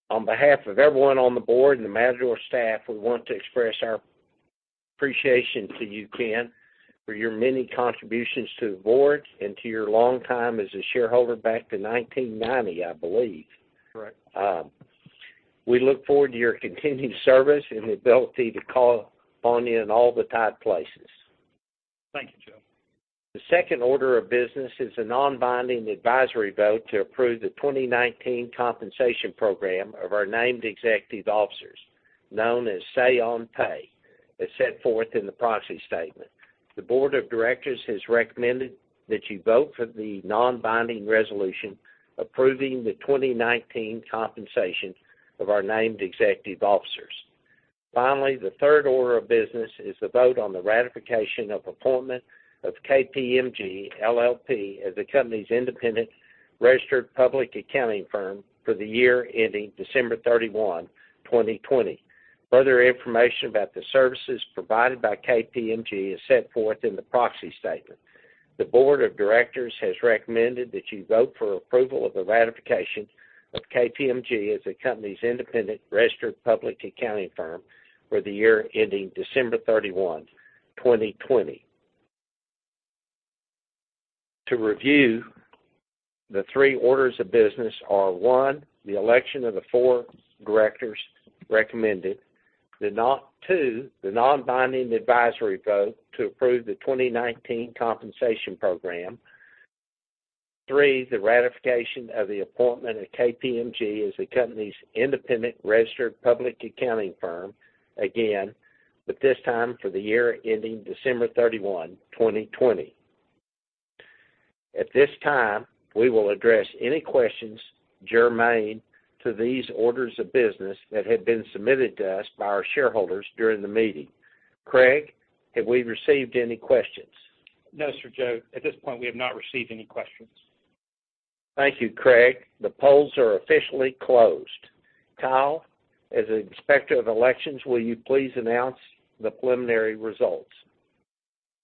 On behalf of everyone on the board and the Matador staff, we want to express our appreciation to you, Ken, for your many contributions to the board and to your long time as a shareholder back to 1990, I believe. Correct. We look forward to your continued service and the ability to call on you in all the tight places. Thank you, Joe. The second order of business is a non-binding advisory vote to approve the 2019 compensation program of our named executive officers, known as say on pay, as set forth in the proxy statement. The board of directors has recommended that you vote for the non-binding resolution approving the 2019 compensation of our named executive officers. The third order of business is the vote on the ratification of appointment of KPMG LLP as the company's independent registered public accounting firm for the year ending December 31, 2020. Further information about the services provided by KPMG is set forth in the proxy statement. The board of directors has recommended that you vote for approval of the ratification of KPMG as the company's independent registered public accounting firm for the year ending December 31, 2020. To review, the three orders of business are, one, the election of the four directors recommended. Two, the non-binding advisory vote to approve the 2019 compensation program. Three, the ratification of the appointment of KPMG as the company's independent registered public accounting firm again, but this time for the year ending December 31, 2020. At this time, we will address any questions germane to these orders of business that have been submitted to us by our shareholders during the meeting. Craig, have we received any questions? No, Sir Joe. At this point, we have not received any questions. Thank you, Craig. The polls are officially closed. Kyle, as Inspector of Elections, will you please announce the preliminary results?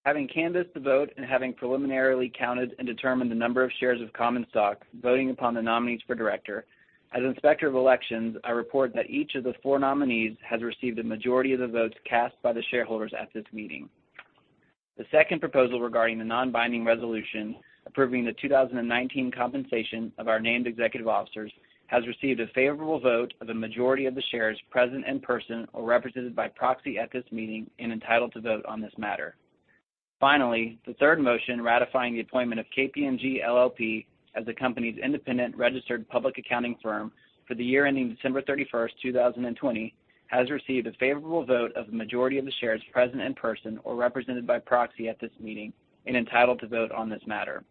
Having canvassed the vote and having preliminarily counted and determined the number of shares of common stock voting upon the nominees for director, as Inspector of Elections, I report that each of the four nominees has received a majority of the votes cast by the shareholders at this meeting. The second proposal regarding the non-binding resolution approving the 2019 compensation of our named executive officers has received a favorable vote of a majority of the shares present in person or represented by proxy at this meeting and entitled to vote on this matter. Finally, the third motion ratifying the appointment of KPMG LLP as the company's independent registered public accounting firm for the year ending December 31st, 2020, has received a favorable vote of the majority of the shares present in person or represented by proxy at this meeting and entitled to vote on this matter.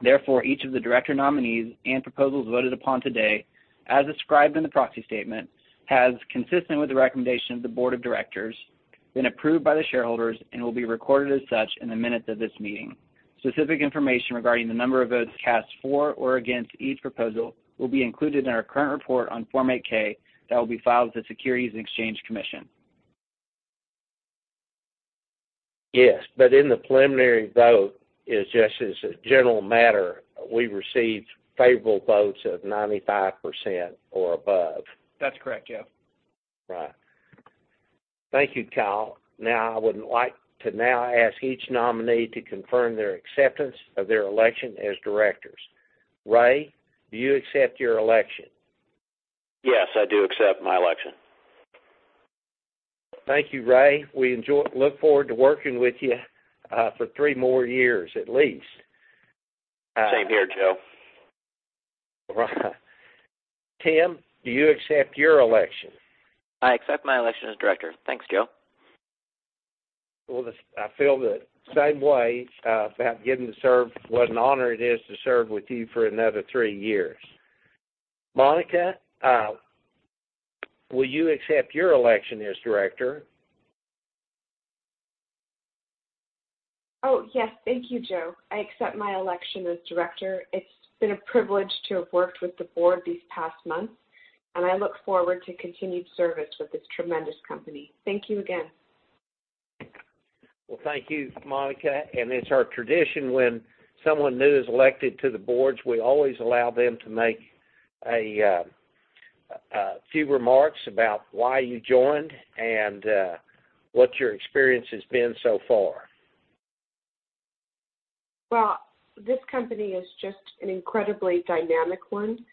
Therefore, each of the director nominees and proposals voted upon today, as described in the proxy statement, has, consistent with the recommendation of the board of directors, been approved by the shareholders and will be recorded as such in the minutes of this meeting. Specific information regarding the number of votes cast for or against each proposal will be included in our current report on Form 8-K that will be filed with the Securities and Exchange Commission. Yes, in the preliminary vote, it's just as a general matter, we received favorable votes of 95% or above. That's correct, Joe. Right. Thank you, Kyle. Now, I would like to now ask each nominee to confirm their acceptance of their election as directors. Ray, do you accept your election? Yes, I do accept my election. Thank you, Ray. We look forward to working with you for three more years at least. Same here, Joe. Right. Tim, do you accept your election? I accept my election as director. Thanks, Joe. Well, I feel the same way about getting to serve. What an honor it is to serve with you for another three years. Monika, will you accept your election as director? Oh, yes. Thank you, Joe. I accept my election as director. It's been a privilege to have worked with the board these past months, and I look forward to continued service with this tremendous company. Thank you again. Well, thank you, Monika. It's our tradition when someone new is elected to the boards, we always allow them to make a few remarks about why you joined and what your experience has been so far. Well, this company is just an incredibly dynamic one,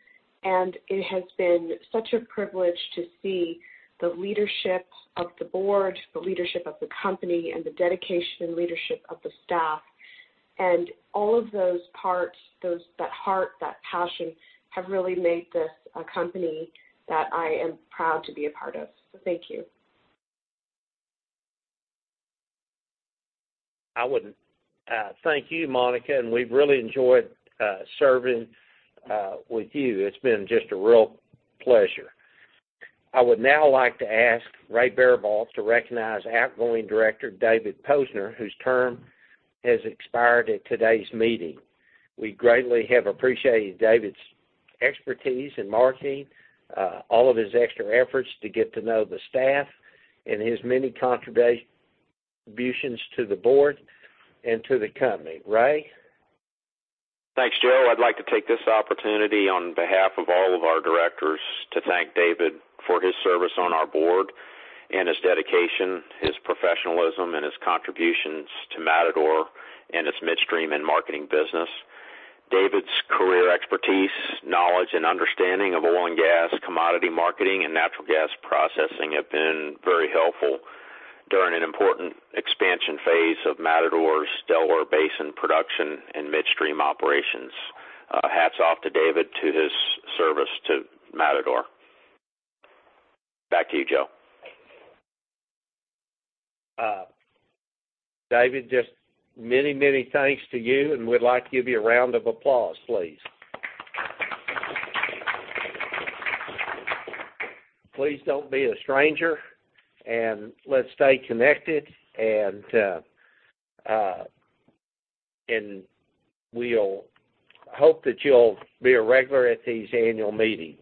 and it has been such a privilege to see the leadership of the board, the leadership of the company, and the dedication and leadership of the staff. All of those parts, that heart, that passion, have really made this a company that I am proud to be a part of. Thank you. Thank you, Monika, and we've really enjoyed serving with you. It's been just a real pleasure. I would now like to ask Ray Baribault to recognize outgoing director David Posner, whose term has expired at today's meeting. We greatly have appreciated David's expertise in marketing, all of his extra efforts to get to know the staff, and his many contributions to the board and to the company. Ray? Thanks, Joe. I'd like to take this opportunity on behalf of all of our directors to thank David for his service on our board and his dedication, his professionalism, and his contributions to Matador and its midstream and marketing business. David's career expertise, knowledge, and understanding of oil and gas commodity marketing and natural gas processing have been very helpful during an important expansion phase of Matador's Delaware Basin production and midstream operations. Hats off to David to his service to Matador. Back to you, Joe. David, just many, many thanks to you, and we'd like to give you a round of applause, please. Please don't be a stranger, and let's stay connected, and we'll hope that you'll be a regular at these annual meetings.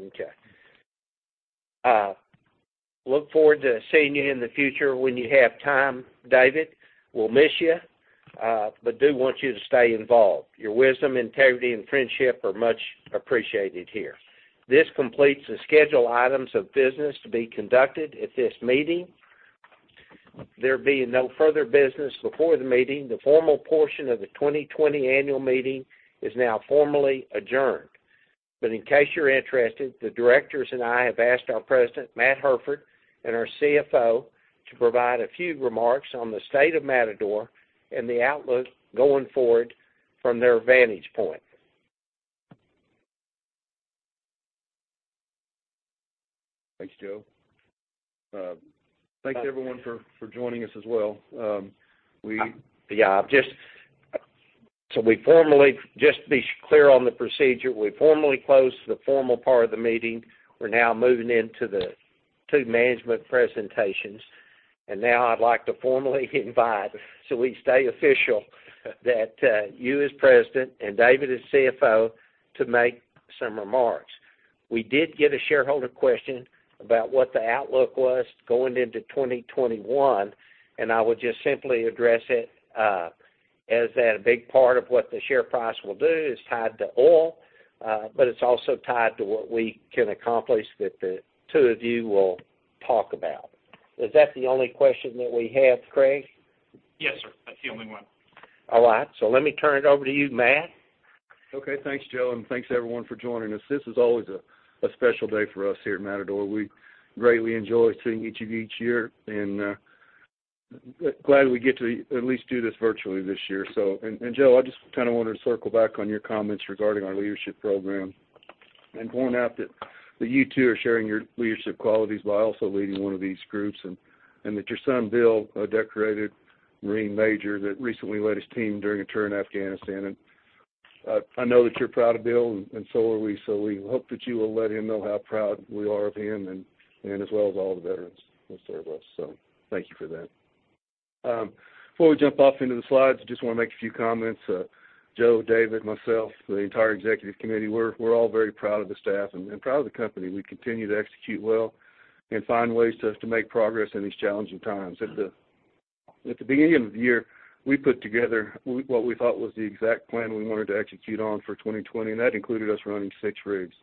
Thank you. Okay. Look forward to seeing you in the future when you have time, David. We'll miss you, but do want you to stay involved. Your wisdom, integrity, and friendship are much appreciated here. This completes the schedule items of business to be conducted at this meeting. There being no further business before the meeting, the formal portion of the 2020 annual meeting is now formally adjourned. In case you're interested, the directors and I have asked our president, Matt Hairford, and our CFO to provide a few remarks on the state of Matador and the outlook going forward from their vantage point. Thanks, Joe. Thanks everyone for joining us as well. Yeah. Just to be clear on the procedure, we formally closed the formal part of the meeting. We're now moving into the two management presentations. Now I'd like to formally invite, so we stay official, that you as President and David as CFO to make some remarks. We did get a shareholder question about what the outlook was going into 2021. I would just simply address it as that a big part of what the share price will do is tied to oil, but it's also tied to what we can accomplish that the two of you will talk about. Is that the only question that we have, Craig? Yes, sir. That's the only one. All right. Let me turn it over to you, Matt. Okay. Thanks, Joe, and thanks everyone for joining us. This is always a special day for us here at Matador. We greatly enjoy seeing each of you each year, and glad we get to at least do this virtually this year. Joe, I just wanted to circle back on your comments regarding our leadership program and point out that you too are sharing your leadership qualities while also leading one of these groups, and that your son, Bill, a decorated Marine Major that recently led his team during a tour in Afghanistan. I know that you're proud of Bill, and so are we. We hope that you will let him know how proud we are of him and as well as all the veterans that serve us. Thank you for that. Before we jump off into the slides, I just want to make a few comments. Joe, David, myself, the entire executive committee, we're all very proud of the staff and proud of the company. We continue to execute well and find ways to make progress in these challenging times. At the beginning of the year, we put together what we thought was the exact plan we wanted to execute on for 2020. That included us running six rigs.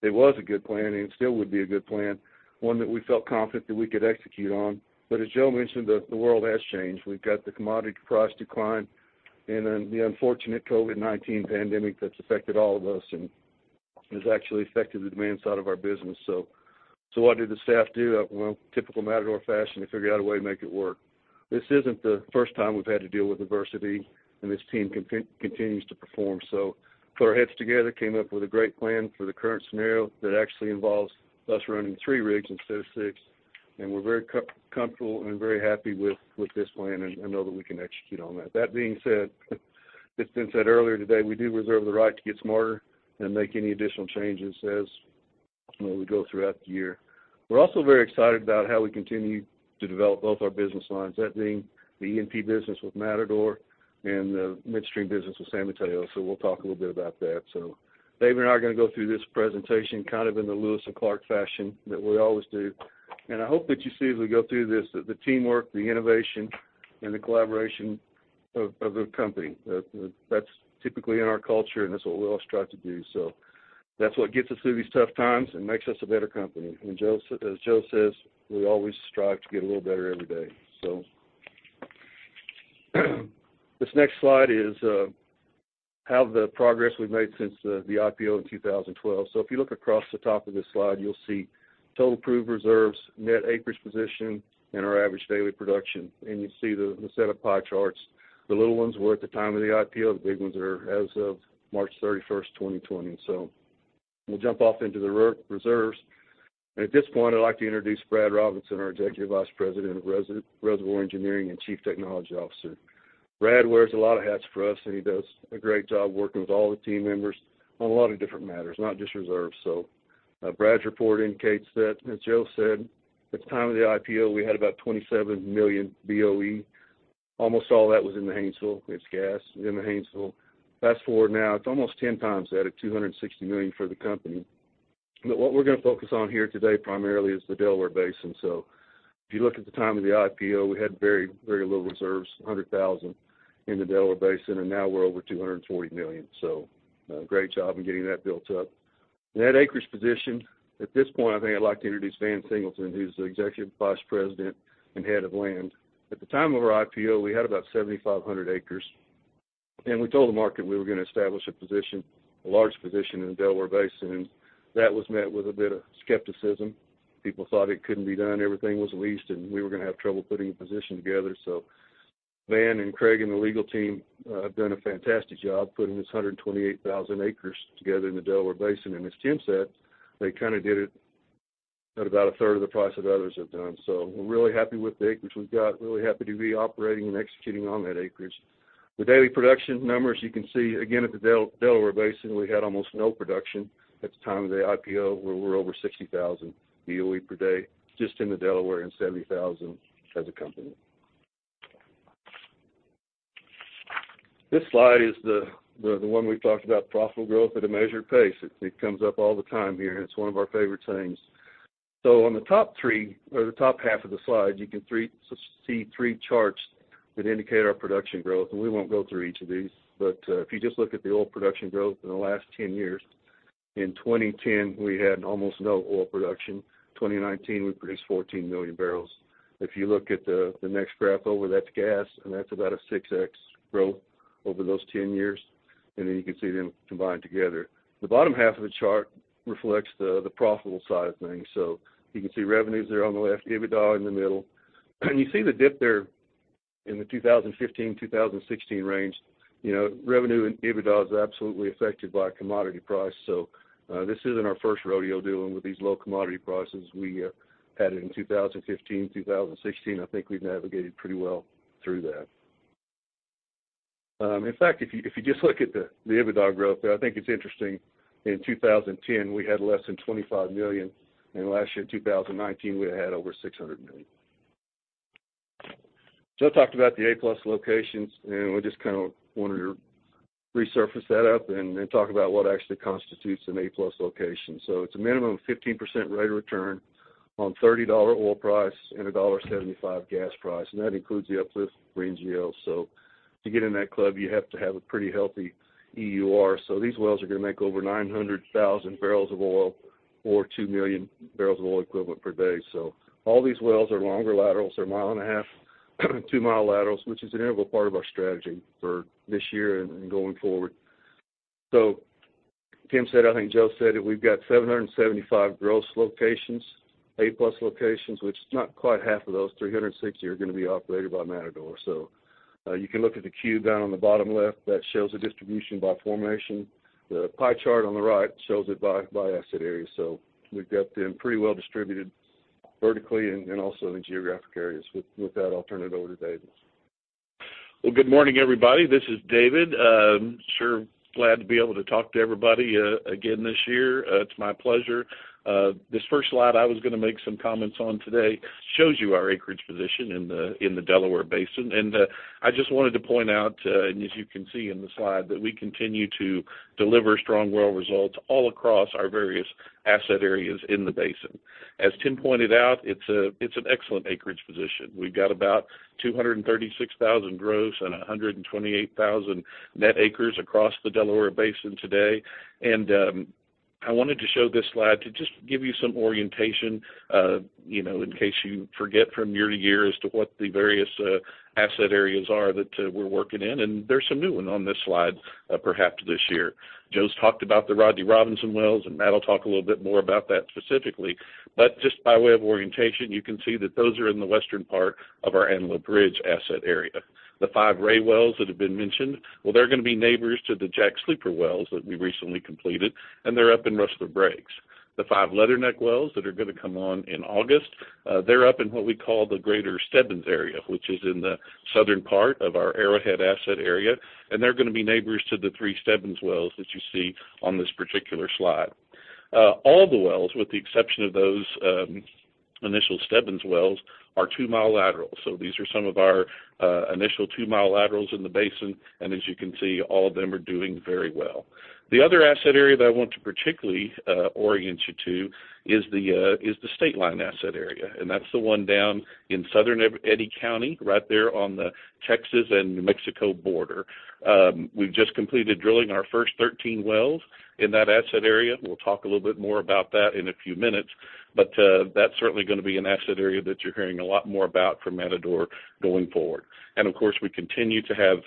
It was a good plan. It still would be a good plan, one that we felt confident that we could execute on. As Joe mentioned, the world has changed. We've got the commodity price decline. Then the unfortunate COVID-19 pandemic that's affected all of us and has actually affected the demand side of our business. What did the staff do? Well, typical Matador fashion, they figured out a way to make it work. This isn't the first time we've had to deal with adversity, and this team continues to perform. Put our heads together, came up with a great plan for the current scenario that actually involves us running three rigs instead of six, and we're very comfortable and very happy with this plan and know that we can execute on that. That being said, it's been said earlier today, we do reserve the right to get smarter and make any additional changes as we go throughout the year. We're also very excited about how we continue to develop both our business lines. That being the E&P business with Matador and the midstream business with San Mateo. We'll talk a little bit about that. David and I are going to go through this presentation kind of in the Lewis and Clark fashion that we always do. I hope that you see as we go through this, that the teamwork, the innovation, and the collaboration of a company. That's typically in our culture, that's what we all strive to do. That's what gets us through these tough times and makes us a better company. As Joe says, we always strive to get a little better every day. This next slide is how the progress we've made since the IPO in 2012. If you look across the top of this slide, you'll see total proved reserves, net acreage position, and our average daily production. You see the set of pie charts. The little ones were at the time of the IPO, the big ones are as of March 31st, 2020. We'll jump off into the reserves. At this point, I'd like to introduce Brad Robinson, our Executive Vice President of Reservoir Engineering and Chief Technology Officer. Brad wears a lot of hats for us, and he does a great job working with all the team members on a lot of different matters, not just reserves. Brad's report indicates that, as Joe said, at the time of the IPO, we had about 27 million BOE. Almost all that was in the Haynesville. It's gas in the Haynesville. Fast-forward now, it's almost 10 times that at 260 million for the company. What we're going to focus on here today primarily is the Delaware Basin. If you look at the time of the IPO, we had very low reserves, 100,000 in the Delaware Basin, and now we're over 240 million. A great job in getting that built up. Net acreage position. At this point, I think I'd like to introduce Van Singleton, who's the Executive Vice President and Head of Land. At the time of our IPO, we had about 7,500 acres. We told the market we were going to establish a position, a large position in the Delaware Basin, that was met with a bit of skepticism. People thought it couldn't be done, everything was leased. We were going to have trouble putting a position together. Van and Craig and the legal team have done a fantastic job putting this 128,000 acres together in the Delaware Basin. As Tim said, they kind of did it at about a third of the price that others have done. We're really happy with the acreage we've got, really happy to be operating and executing on that acreage. The daily production numbers, you can see, again, at the Delaware Basin, we had almost no production at the time of the IPO, where we're over 60,000 BOE per day just in the Delaware and 70,000 as a company. This slide is the one we've talked about, profitable growth at a measured pace. It comes up all the time here, and it's one of our favorite sayings. On the top three or the top half of the slide, you can see three charts that indicate our production growth. We won't go through each of these, but if you just look at the oil production growth in the last 10 years, in 2010, we had almost no oil production. 2019, we produced 14 million barrels. If you look at the next graph over, that's gas, and that's about a 6X growth over those 10 years. You can see them combined together. The bottom half of the chart reflects the profitable side of things. You can see revenues there on the left, EBITDA in the middle. You see the dip there in the 2015, 2016 range, revenue and EBITDA is absolutely affected by commodity price. This isn't our first rodeo dealing with these low commodity prices. We had it in 2015, 2016. I think we've navigated pretty well through that. In fact, if you just look at the EBITDA growth there, I think it's interesting, in 2010, we had less than $25 million. In last year, 2019, we had over $600 million. I talked about the A-plus locations, and we just kind of wanted to resurface that up and talk about what actually constitutes an A+ location. It's a minimum of 15% rate of return on $30 oil price and $1.75 gas price, and that includes the uplift for NGL. To get in that club, you have to have a pretty healthy EUR. These wells are going to make over 900,000 barrels of oil or 2 million barrels of oil equivalent per day. All these wells are longer laterals. They're a mile and a half, 2 mi laterals, which is an integral part of our strategy for this year and going forward. Tim said, I think Joe said it, we've got 775 gross locations, A+ locations, which not quite half of those, 360, are going to be operated by Matador. You can look at the queue down on the bottom left. That shows the distribution by formation. The pie chart on the right shows it by asset area. We've got them pretty well distributed vertically and also in geographic areas with that I'll turn it over to David. Well, good morning, everybody. This is David. Sure glad to be able to talk to everybody again this year. It's my pleasure. This first slide I was going to make some comments on today shows you our acreage position in the Delaware Basin. I just wanted to point out, and as you can see in the slide, that we continue to deliver strong well results all across our various asset areas in the basin. As Tim pointed out, it's an excellent acreage position. We've got about 236,000 gross and 128,000 net acres across the Delaware Basin today. I wanted to show this slide to just give you some orientation, in case you forget from year to year as to what the various asset areas are that we're working in, and there's some new ones on this slide perhaps this year. Joe's talked about the Rodney Robinson wells. Matt will talk a little bit more about that specifically. Just by way of orientation, you can see that those are in the western part of our Antelope Ridge asset area. The five Ray wells that have been mentioned, well, they're going to be neighbors to the Jack Sleeper wells that we recently completed. They're up in Rustler Breaks. The five Leatherneck wells that are going to come on in August, they're up in what we call the Greater Stebbins Area, which is in the southern part of our Arrowhead asset area. They're going to be neighbors to the three Stebbins wells that you see on this particular slide. All the wells, with the exception of those initial Stebbins wells, are 2 mi laterals. These are some of our initial 2 mi laterals in the basin, and as you can see, all of them are doing very well. The other asset area that I want to particularly orient you to is the Stateline asset area, and that's the one down in southern Eddy County, right there on the Texas and New Mexico border. We've just completed drilling our first 13 wells in that asset area. We'll talk a little bit more about that in a few minutes, but that's certainly going to be an asset area that you're hearing a lot more about from Matador Resources going forward. Of course, we continue to have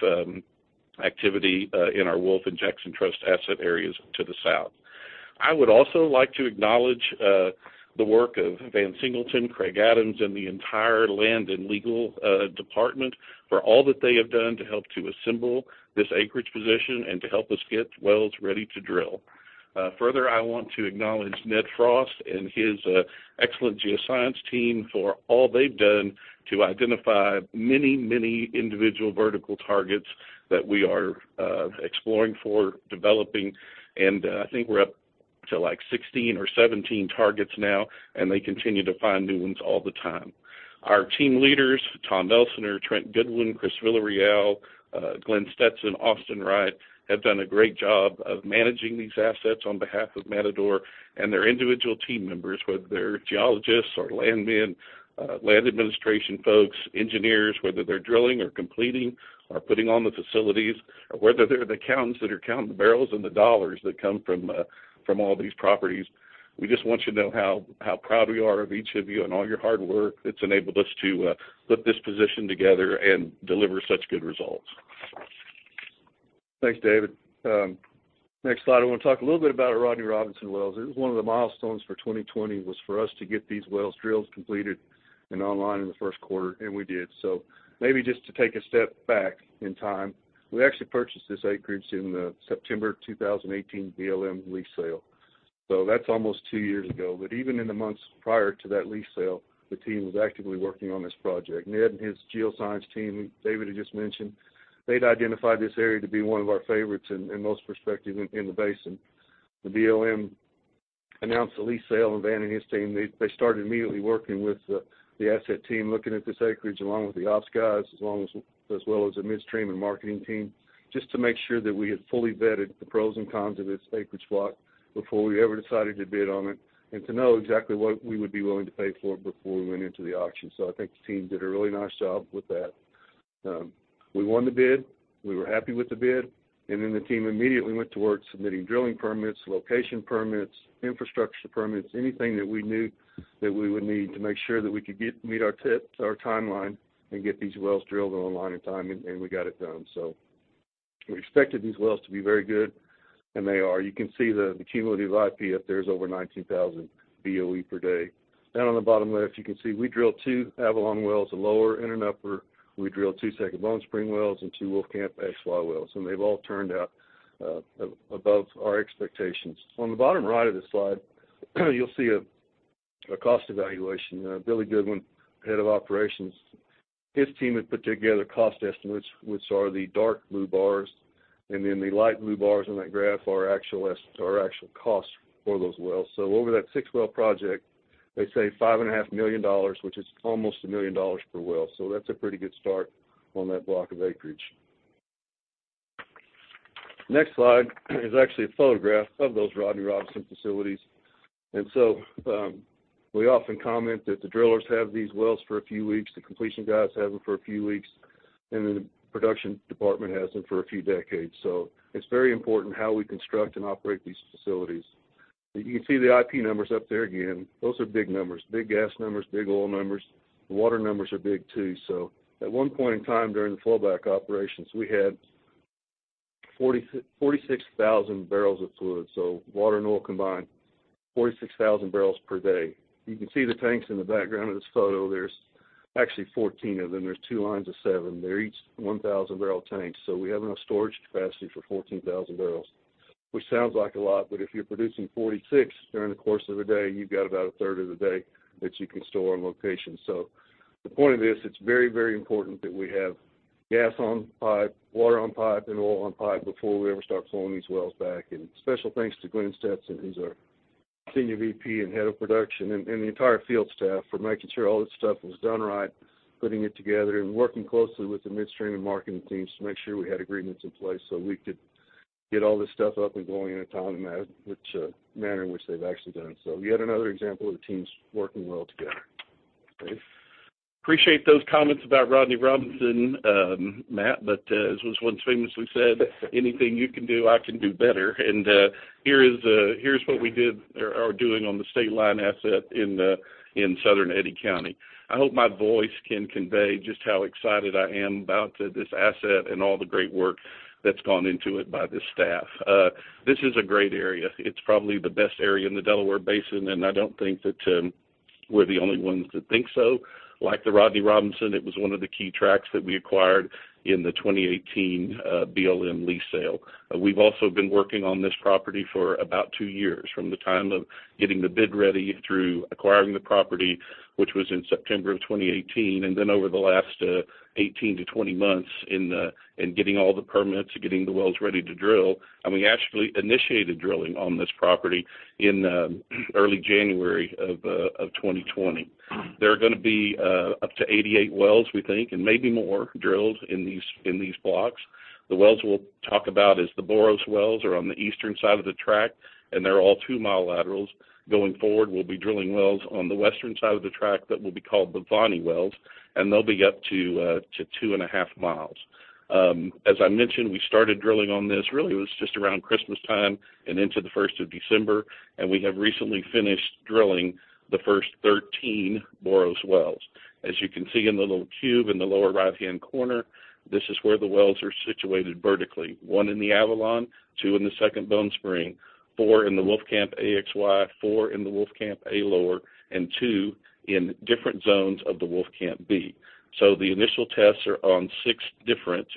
activity in our Wolf and Jackson Trust asset areas to the south. I would also like to acknowledge the work of Van Singleton, Craig Adams, and the entire land and legal department for all that they have done to help to assemble this acreage position and to help us get wells ready to drill. Further, I want to acknowledge Ned Frost and his excellent geoscience team for all they've done to identify many, many individual vertical targets that we are exploring for developing, and I think we're up to 16 or 17 targets now, and they continue to find new ones all the time. Our team leaders, Tom Elsener, Trent Goodwin, Chris Villarreal, Glenn Stetson, Austin Wright, have done a great job of managing these assets on behalf of Matador, and their individual team members, whether they're geologists or land men, land administration folks, engineers, whether they're drilling or completing or putting on the facilities or whether they're the accountants that are counting the barrels and the dollars that come from all these properties. We just want you to know how proud we are of each of you and all your hard work that's enabled us to put this position together and deliver such good results. Thanks, David. Next slide, I want to talk a little bit about our Rodney Robinson wells. It was one of the milestones for 2020 was for us to get these wells drilled, completed, and online in the first quarter. We did. Maybe just to take a step back in time, we actually purchased this acreage in the September 2018 BLM lease sale. That's almost two years ago, but even in the months prior to that lease sale, the team was actively working on this project. Ned and his geoscience team, David had just mentioned, they'd identified this area to be one of our favorites and most prospective in the basin. The BLM announced the lease sale, and Van and his team, they started immediately working with the asset team, looking at this acreage, along with the ops guys, as well as the midstream and marketing team, just to make sure that we had fully vetted the pros and cons of this acreage block before we ever decided to bid on it, and to know exactly what we would be willing to pay for it before we went into the auction. I think the team did a really nice job with that. We won the bid. We were happy with the bid. The team immediately went to work submitting drilling permits, location permits, infrastructure permits, anything that we knew that we would need to make sure that we could meet our timeline and get these wells drilled and online in time. We got it done. We expected these wells to be very good, and they are. You can see the cumulative IP up there is over 19,000 BOE per day. Down on the bottom left, you can see we drilled two Avalon wells, a lower and an upper. We drilled two Second Bone Spring wells and two Wolfcamp XY wells, and they've all turned out above our expectations. On the bottom right of the slide, you'll see a cost evaluation. Billy Goodwin, head of operations, his team had put together cost estimates, which are the dark blue bars, and then the light blue bars on that graph are our actual costs for those wells. Over that six-well project, they saved $5.5 million, which is almost $1 million per well. That's a pretty good start on that block of acreage. Next slide is actually a photograph of those Brad Robinson facilities. We often comment that the drillers have these wells for a few weeks, the completion guys have them for a few weeks, and then the production department has them for a few decades. It's very important how we construct and operate these facilities. You can see the IP numbers up there again. Those are big numbers. Big gas numbers, big oil numbers. The water numbers are big, too. At one point in time during the flowback operations, we had 46,000 bbl of fluid, so water and oil combined, 46,000 barrels per day. You can see the tanks in the background of this photo. There's actually 14 of them. There's two lines of seven. They're each 1,000-barrel tanks. We have enough storage capacity for 14,000 bbl, which sounds like a lot, but if you're producing 46 during the course of a day, you've got about a third of the day that you can store on location. The point of this, it's very, very important that we have gas on pipe, water on pipe, and oil on pipe before we ever start flowing these wells back. Special thanks to Glenn Stetson, who's our Senior VP and head of production, and the entire field staff for making sure all this stuff was done right, putting it together, and working closely with the midstream and marketing teams to make sure we had agreements in place so we could get all this stuff up and going in a timely manner, which they've actually done. Yet another example of the teams working well together. Okay. Appreciate those comments about Brad Robinson, Matt, as was once famously said, anything you can do, I can do better. Here's what we did or are doing on the Stateline asset in southern Eddy County. I hope my voice can convey just how excited I am about this asset and all the great work that's gone into it by this staff. This is a great area. It's probably the best area in the Delaware Basin, I don't think that we're the only ones that think so. Like the Brad Robinson, it was one of the key tracks that we acquired in the 2018 BLM lease sale. We've also been working on this property for about two years, from the time of getting the bid ready through acquiring the property, which was in September 2018, then over the last 18-20 months in getting all the permits, getting the wells ready to drill. We actually initiated drilling on this property in early January 2020. There are going to be up to 88 wells, we think, and maybe more, drilled in these blocks. The wells we'll talk about is the Boros wells are on the eastern side of the track, they're all 2 mi laterals. Going forward, we'll be drilling wells on the western side of the track that will be called the Voni wells, they'll be up to two and a half miles. As I mentioned, we started drilling on this, really, it was just around Christmas time and into the first of December. We have recently finished drilling the first 13 Boros wells. As you can see in the little cube in the lower right-hand corner, this is where the wells are situated vertically. One in the Avalon, two in the Second Bone Spring, four in the Wolfcamp A-XY, four in the Wolfcamp A-Lower, two in different zones of the Wolfcamp B. The initial tests are on six different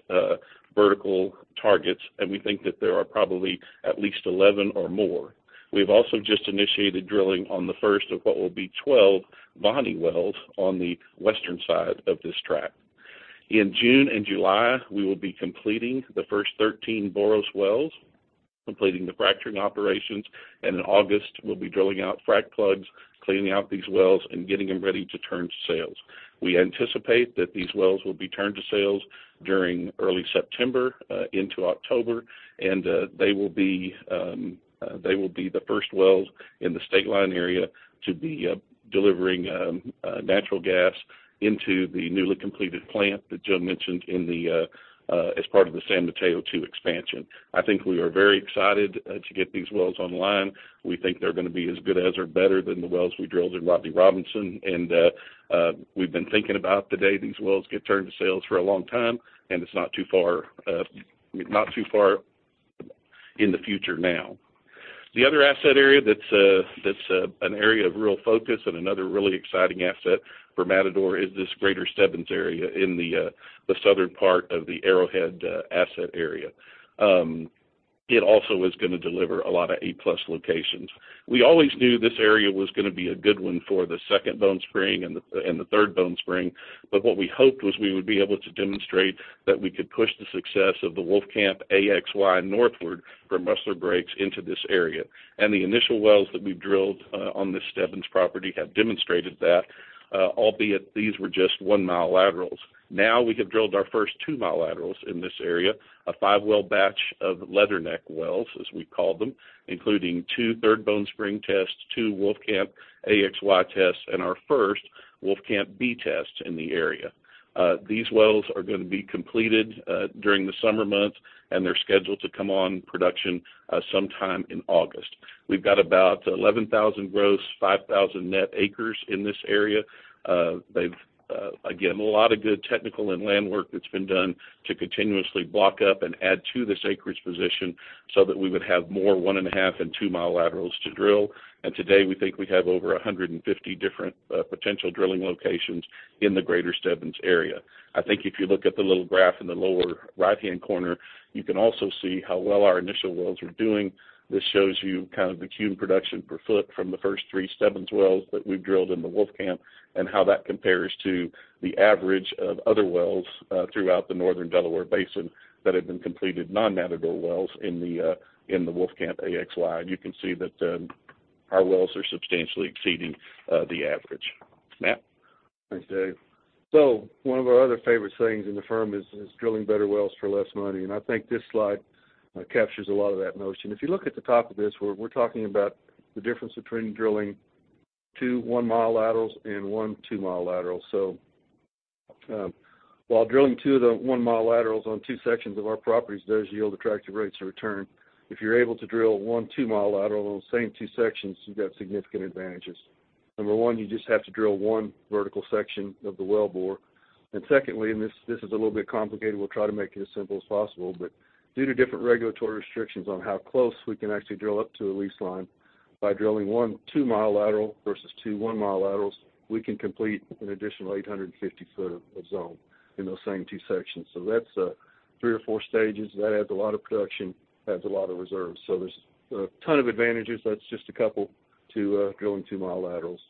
vertical targets. We think that there are probably at least 11 or more. We've also just initiated drilling on the first of what will be 12 Voni wells on the western side of this track. In June and July, we will be completing the first 13 Boros wells, completing the fracturing operations. In August, we'll be drilling out frac plugs, cleaning out these wells, and getting them ready to turn to sales. We anticipate that these wells will be turned to sales during early September into October, and they will be the first wells in the Stateline area to be delivering natural gas into the newly completed plant that Joe mentioned as part of the San Mateo II expansion. I think we are very excited to get these wells online. We think they're going to be as good as or better than the wells we drilled in Brad Robinson. We've been thinking about the day these wells get turned to sales for a long time, and it's not too far in the future now. The other asset area that's an area of real focus and another really exciting asset for Matador is this Greater Stebbins Area in the southern part of the Arrowhead asset area. It also is going to deliver a lot of eight-plus locations. We always knew this area was going to be a good one for the Second Bone Spring and the Third Bone Spring, what we hoped was we would be able to demonstrate that we could push the success of the Wolfcamp A-XY northward from Rustler Breaks into this area. The initial wells that we've drilled on the Stebbins property have demonstrated that, albeit these were just 1 mi laterals. We have drilled our first 2 mi laterals in this area, a five-well batch of Leatherneck wells, as we call them, including two Third Bone Spring tests, two Wolfcamp A-XY tests, and our first Wolfcamp B test in the area. These wells are going to be completed during the summer months. They're scheduled to come on production sometime in August. We've got about 11,000 gross, 5,000 net acres in this area. They've, again, a lot of good technical and land work that's been done to continuously block up and add to this acreage position so that we would have more one and a half and 2 mi laterals to drill. Today, we think we have over 150 different potential drilling locations in the Greater Stebbins Area. I think if you look at the little graph in the lower right-hand corner, you can also see how well our initial wells are doing. This shows you the cumulative production per foot from the first three Stebbins wells that we've drilled in the Wolfcamp, and how that compares to the average of other wells throughout the Northern Delaware Basin that have been completed, non-Matador wells in the Wolfcamp A-XY. You can see that our wells are substantially exceeding the average. Matt? Thanks, Dave. One of our other favorite sayings in the firm is drilling better wells for less money, and I think this slide captures a lot of that notion. If you look at the top of this, we're talking about the difference between drilling two 1 mi laterals and one 2 mi lateral. While drilling two of the 1 mi laterals on two sections of our properties does yield attractive rates of return, if you're able to drill one mi lateral on those same two sections, you've got significant advantages. Number one, you just have to drill one vertical section of the wellbore. Secondly, this is a little bit complicated, we'll try to make it as simple as possible, but due to different regulatory restrictions on how close we can actually drill up to a lease line, by drilling one 2 mi lateral versus two 1 mi laterals, we can complete an additional 850 ft of zone in those same two sections. That's three or four stages. That adds a lot of production, adds a lot of reserves. There's a ton of advantages, that's just a couple, to drilling 2 mi laterals.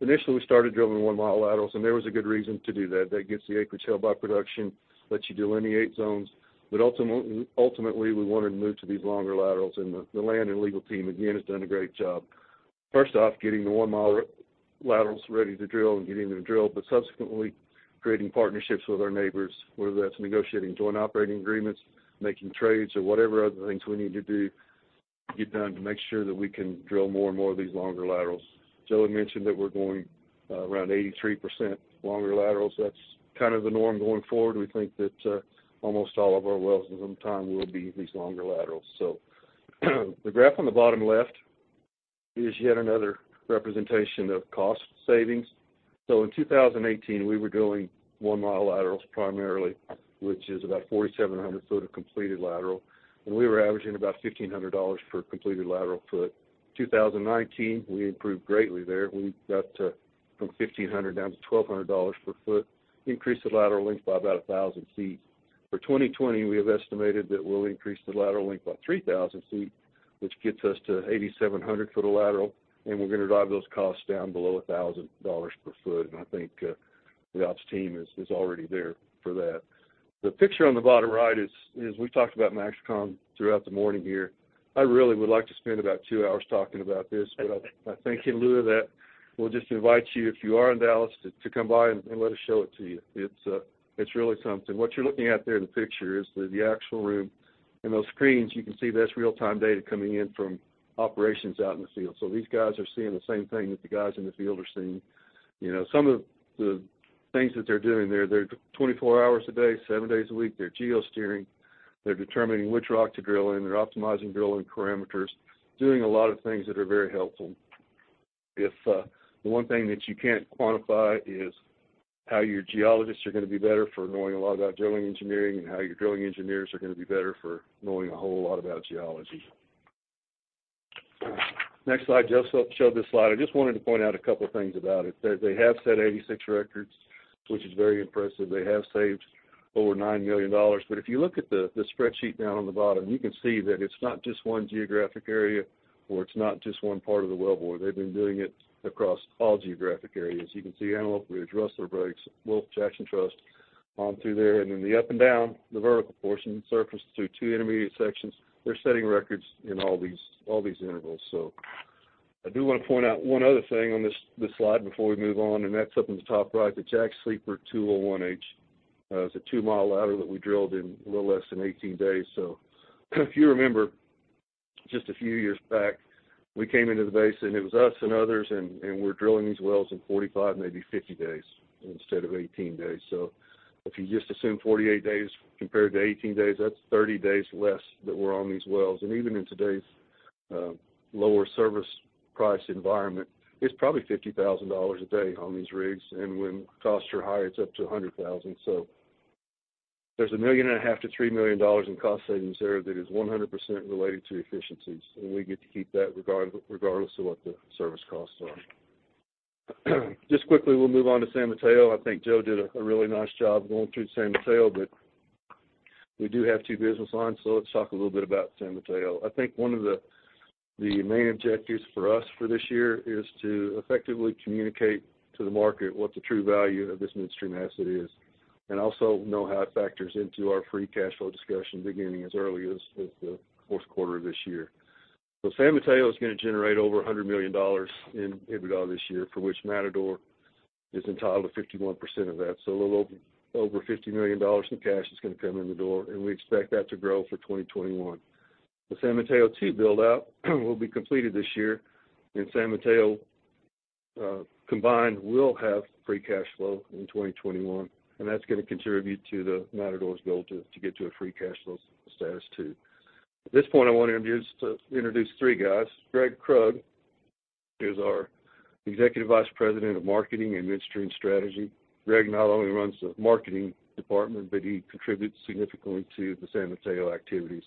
Initially, we started drilling 1 mi laterals, and there was a good reason to do that. That gets the acreage held by production, lets you delineate zones. Ultimately, we wanted to move to these longer laterals. The land and legal team, again, has done a great job, first off, getting the 1 mi laterals ready to drill and getting them drilled, but subsequently creating partnerships with our neighbors, whether that's negotiating joint operating agreements, making trades, or whatever other things we need to do to get done to make sure that we can drill more and more of these longer laterals. Joe mentioned that we're going around 83% longer laterals. That's kind of the norm going forward. We think that almost all of our wells in some time will be these longer laterals. The graph on the bottom left is yet another representation of cost savings. In 2018, we were drilling 1 mi laterals primarily, which is about 4,700 foot of completed lateral, and we were averaging about $1,500 per completed lateral foot. 2019, we improved greatly there. We got from $1,500 down to $1,200 per foot, increased the lateral length by about 1,000 feet. For 2020, we have estimated that we'll increase the lateral length by 3,000 ft, which gets us to 8,700 foot of lateral, and we're going to drive those costs down below $1,000 per foot. I think the ops team is already there for that. The picture on the bottom right is, we've talked about MAXCOM throughout the morning here. I really would like to spend about two hours talking about this. I think in lieu of that, we'll just invite you, if you are in Dallas, to come by and let us show it to you. It's really something. What you're looking at there in the picture is the actual room. In those screens, you can see that's real-time data coming in from operations out in the field. These guys are seeing the same thing that the guys in the field are seeing. Some of the things that they're doing there, they're 24 hours a day, seven days a week. They're geosteering. They're determining which rock to drill in. They're optimizing drilling parameters, doing a lot of things that are very helpful. If the one thing that you can't quantify is how your geologists are going to be better for knowing a lot about drilling engineering and how your drilling engineers are going to be better for knowing a whole lot about geology. Next slide. Jeff showed this slide. I just wanted to point out a couple things about it. They have set 86 records, which is very impressive. They have saved over $9 million. If you look at the spreadsheet down on the bottom, you can see that it's not just one geographic area or it's not just one part of the wellbore. They've been doing it across all geographic areas. You can see Antelope Ridge, Rustler Breaks, Wolf, Jackson Trust on through there. Then the up and down, the vertical portion, surface through two intermediate sections, they're setting records in all these intervals. I do want to point out one other thing on this slide before we move on, and that's up in the top right, the Jack Sleeper 201H. It's a 2 mi lateral that we drilled in a little less than 18 days. If you remember just a few years back, we came into the basin. It was us and others, and we're drilling these wells in 45, maybe 50 days instead of 18 days. If you just assume 48 days compared to 18 days, that's 30 days less that we're on these wells. Even in today's lower service price environment, it's probably $50,000 a day on these rigs, and when costs are high, it's up to $100,000. There's $1.5 million-$3 million in cost savings there that is 100% related to efficiencies, and we get to keep that regardless of what the service costs are. Quickly, we'll move on to San Mateo. I think Joe did a really nice job going through San Mateo, but we do have two business lines, so let's talk a little bit about San Mateo. I think one of the main objectives for us for this year is to effectively communicate to the market what the true value of this midstream asset is, and also know how it factors into our free cash flow discussion beginning as early as the fourth quarter of this year. San Mateo is going to generate over $100 million in EBITDA this year, for which Matador is entitled to 51% of that. A little over $50 million in cash is going to come in the door, and we expect that to grow for 2021. The San Mateo II build-out will be completed this year, and San Mateo combined will have free cash flow in 2021, and that's going to contribute to Matador's goal to get to a free cash flow status too. At this point, I want to introduce three guys. Gregg Krug is our Executive Vice President of Marketing and Midstream Strategy. Greg not only runs the marketing department, but he contributes significantly to the San Mateo activities.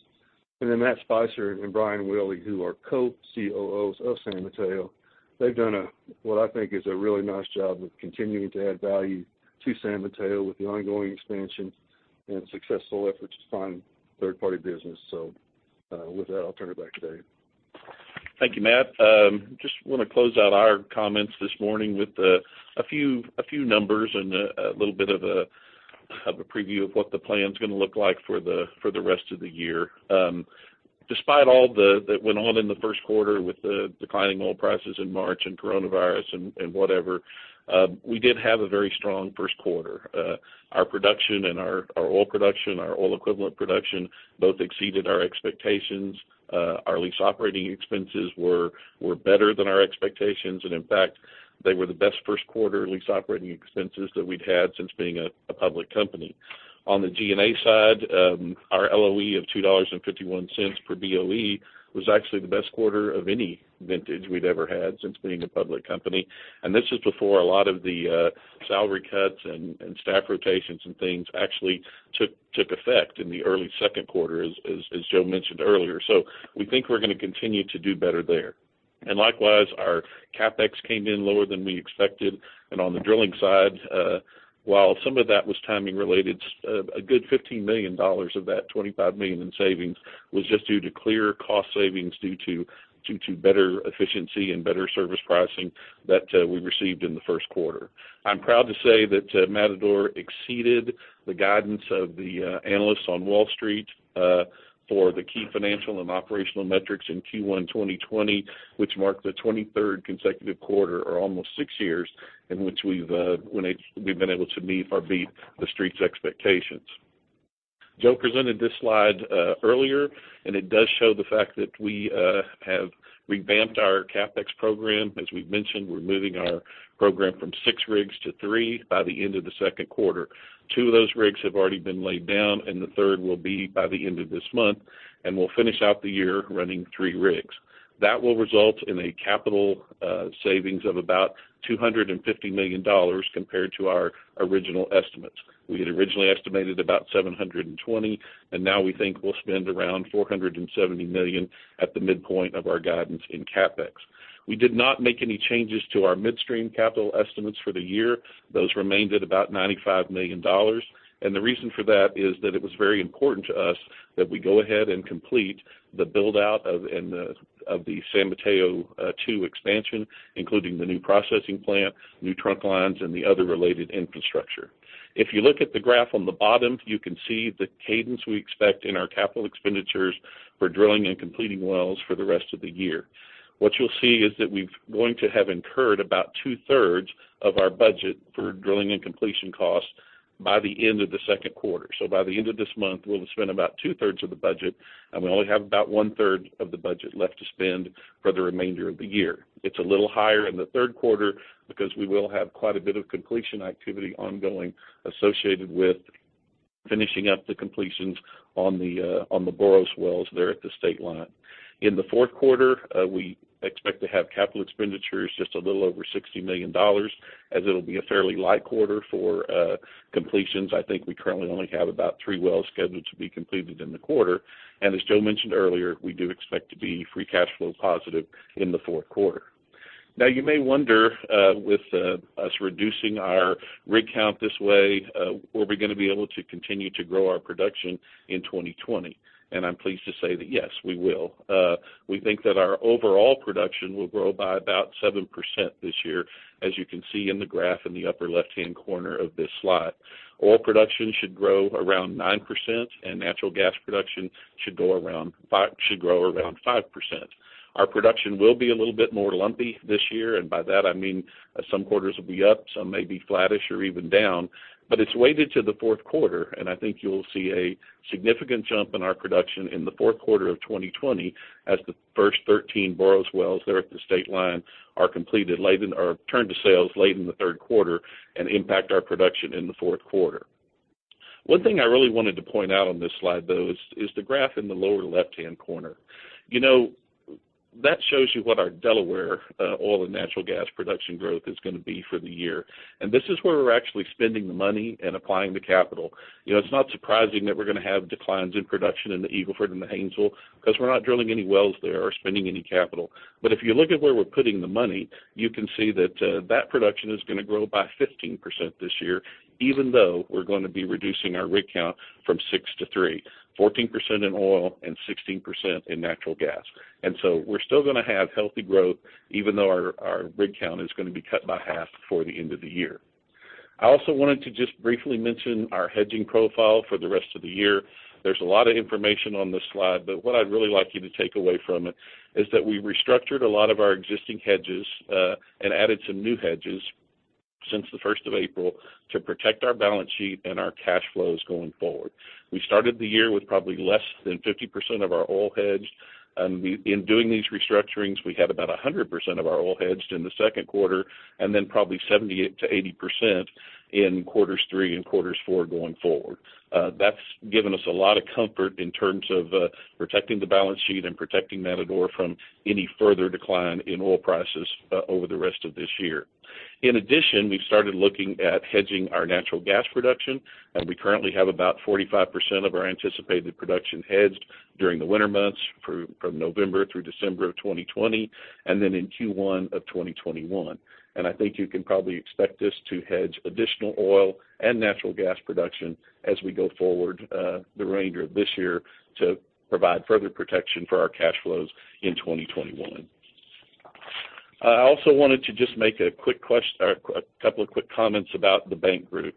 Matt Spicer and Brian Willey, who are co-COOs of San Mateo, they've done, what I think, is a really nice job with continuing to add value to San Mateo with the ongoing expansion and successful efforts to find third-party business. With that, I'll turn it back to Dave. Thank you, Matt. We just want to close out our comments this morning with a few numbers and a little bit of a preview of what the plan's going to look like for the rest of the year. Despite all that went on in the first quarter with the declining oil prices in March and coronavirus and whatever, we did have a very strong first quarter. Our production and our oil production, our oil equivalent production both exceeded our expectations. Our lease operating expenses were better than our expectations. In fact, they were the best first quarter lease operating expenses that we'd had since being a public company. On the G&A side, our LOE of $2.51 per BOE was actually the best quarter of any vintage we'd ever had since being a public company. This is before a lot of the salary cuts and staff rotations and things actually took effect in the early second quarter, as Joe mentioned earlier. We think we're going to continue to do better there. Likewise, our CapEx came in lower than we expected. On the drilling side, while some of that was timing related, a good $15 million of that $25 million in savings was just due to clear cost savings due to better efficiency and better service pricing that we received in the first quarter. I'm proud to say that Matador exceeded the guidance of the analysts on Wall Street for the key financial and operational metrics in Q1 2020, which marked the 23rd consecutive quarter or almost six years in which we've been able to meet or beat the Street's expectations. Joe presented this slide earlier, and it does show the fact that we have revamped our CapEx program. As we've mentioned, we're moving our program from six rigs to three by the end of the second quarter. Two of those rigs have already been laid down, and the third will be by the end of this month, and we'll finish out the year running three rigs. That will result in a capital savings of about $250 million compared to our original estimates. We had originally estimated about $720 million, and now we think we'll spend around $470 million at the midpoint of our guidance in CapEx. We did not make any changes to our midstream capital estimates for the year. Those remained at about $95 million. The reason for that is that it was very important to us that we go ahead and complete the build-out of the San Mateo II expansion, including the new processing plant, new trunk lines, and the other related infrastructure. If you look at the graph on the bottom, you can see the cadence we expect in our capital expenditures for drilling and completing wells for the rest of the year. What you'll see is that we're going to have incurred about two-thirds of our budget for drilling and completion costs by the end of the second quarter. By the end of this month, we'll have spent about two-thirds of the budget, and we only have about one-third of the budget left to spend for the remainder of the year. It's a little higher in the third quarter because we will have quite a bit of completion activity ongoing associated with finishing up the completions on the Boros wells there at the Stateline. In the fourth quarter, we expect to have capital expenditures just a little over $60 million, as it'll be a fairly light quarter for completions. I think we currently only have about three wells scheduled to be completed in the quarter. As Joe mentioned earlier, we do expect to be free cash flow positive in the fourth quarter. You may wonder, with us reducing our rig count this way, were we going to be able to continue to grow our production in 2020? I'm pleased to say that yes, we will. We think that our overall production will grow by about 7% this year, as you can see in the graph in the upper left-hand corner of this slide. Oil production should grow around 9%. Natural gas production should grow around 5%. Our production will be a little bit more lumpy this year. By that I mean some quarters will be up, some may be flattish or even down. It's weighted to the fourth quarter. I think you'll see a significant jump in our production in the fourth quarter of 2020 as the first 13 Boros wells there at the Stateline are turned to sales late in the third quarter and impact our production in the fourth quarter. One thing I really wanted to point out on this slide, though, is the graph in the lower left-hand corner. That shows you what our Delaware oil and natural gas production growth is going to be for the year. This is where we're actually spending the money and applying the capital. It's not surprising that we're going to have declines in production in the Eagle Ford and the Haynesville because we're not drilling any wells there or spending any capital. If you look at where we're putting the money, you can see that that production is going to grow by 15% this year, even though we're going to be reducing our rig count from six to three, 14% in oil and 16% in natural gas. We're still going to have healthy growth, even though our rig count is going to be cut by half before the end of the year. I also wanted to just briefly mention our hedging profile for the rest of the year. There's a lot of information on this slide, but what I'd really like you to take away from it is that we restructured a lot of our existing hedges and added some new hedges since the 1st of April to protect our balance sheet and our cash flows going forward. We started the year with probably less than 50% of our oil hedged. In doing these restructurings, we had about 100% of our oil hedged in the second quarter, then probably 70%-80% in quarters three and quarters four going forward. That's given us a lot of comfort in terms of protecting the balance sheet and protecting Matador from any further decline in oil prices over the rest of this year. In addition, we've started looking at hedging our natural gas production, and we currently have about 45% of our anticipated production hedged during the winter months from November through December of 2020, and then in Q1 of 2021. I think you can probably expect us to hedge additional oil and natural gas production as we go forward the remainder of this year to provide further protection for our cash flows in 2021. I also wanted to just make a couple of quick comments about the bank group.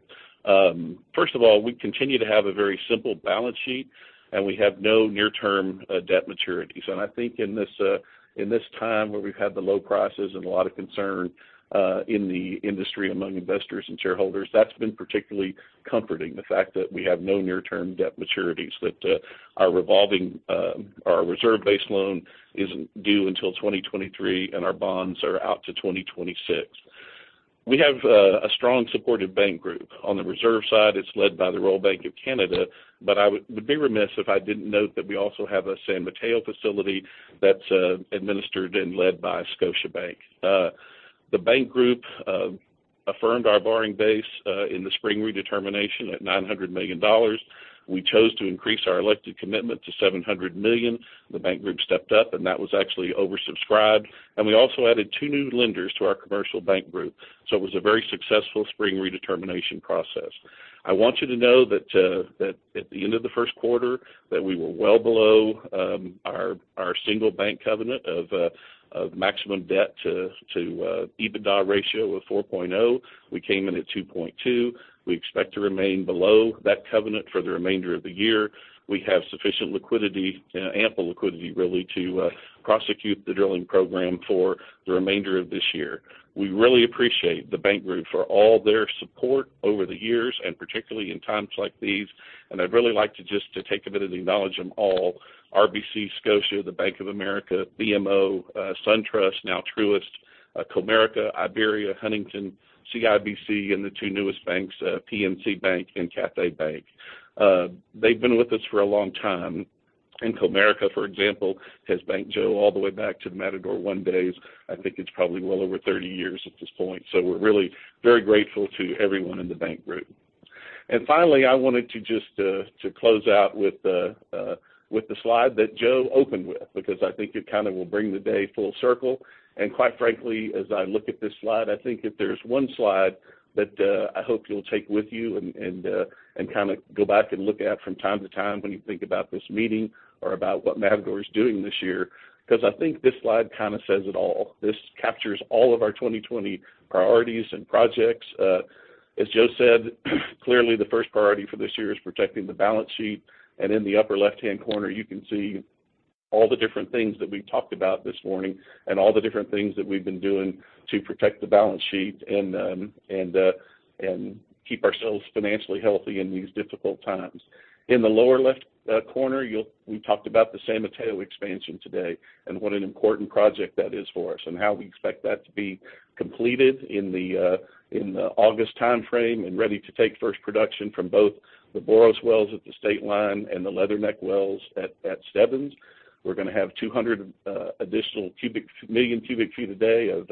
First of all, we continue to have a very simple balance sheet, and we have no near-term debt maturities. I think in this time where we've had the low prices and a lot of concern in the industry among investors and shareholders, that's been particularly comforting, the fact that we have no near-term debt maturities. Our reserve-based loan isn't due until 2023 and our bonds are out to 2026. We have a strong supported bank group. On the reserve side, it's led by the Royal Bank of Canada, but I would be remiss if I didn't note that we also have a San Mateo facility that's administered and led by Scotiabank. The bank group affirmed our borrowing base in the spring redetermination at $900 million. We chose to increase our elected commitment to $700 million. The bank group stepped up and that was actually oversubscribed, and we also added two new lenders to our commercial bank group. It was a very successful spring redetermination process. I want you to know that at the end of the first quarter, that we were well below our single bank covenant of maximum debt to EBITDA ratio of 4.0. We came in at 2.2. We expect to remain below that covenant for the remainder of the year. We have sufficient liquidity, ample liquidity really, to prosecute the drilling program for the remainder of this year. We really appreciate the bank group for all their support over the years and particularly in times like these. I'd really like just to take a minute and acknowledge them all. RBC, Scotia, Bank of America, BMO, SunTrust, now Truist, Comerica, IBERIABANK, Huntington, CIBC, and the two newest banks, PNC Bank and Cadence Bank. They've been with us for a long time. Comerica, for example, has banked Joe all the way back to the Matador I days. I think it's probably well over 30 years at this point. We're really very grateful to everyone in the bank group. Finally, I wanted to just close out with the slide that Joe opened with, because I think it kind of will bring the day full circle. Quite frankly, as I look at this slide, I think if there's one slide that I hope you'll take with you and kind of go back and look at from time to time when you think about this meeting or about what Matador is doing this year, because I think this slide kind of says it all. This captures all of our 2020 priorities and projects. As Joe said, clearly the first priority for this year is protecting the balance sheet. In the upper left-hand corner, you can see all the different things that we've talked about this morning and all the different things that we've been doing to protect the balance sheet and keep ourselves financially healthy in these difficult times. In the lower left corner, we talked about the San Mateo expansion today and what an important project that is for us, and how we expect that to be completed in the August timeframe and ready to take first production from both the Boros wells at the Stateline and the Leatherneck wells at Stebbins. We're going to have 200 additional million cubic feet a day of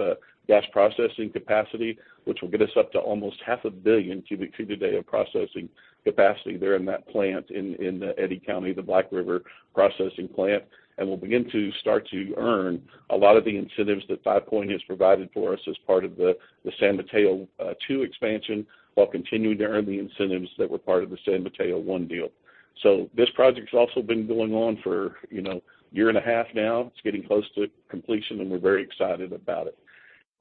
gas processing capacity, which will get us up to almost half a billion cubic feet a day of processing capacity there in that plant in Eddy County, the Black River processing plant. We'll begin to start to earn a lot of the incentives that Five Point has provided for us as part of the San Mateo II expansion, while continuing to earn the incentives that were part of the San Mateo I deal. This project's also been going on for a year and a half now. It's getting close to completion, and we're very excited about it.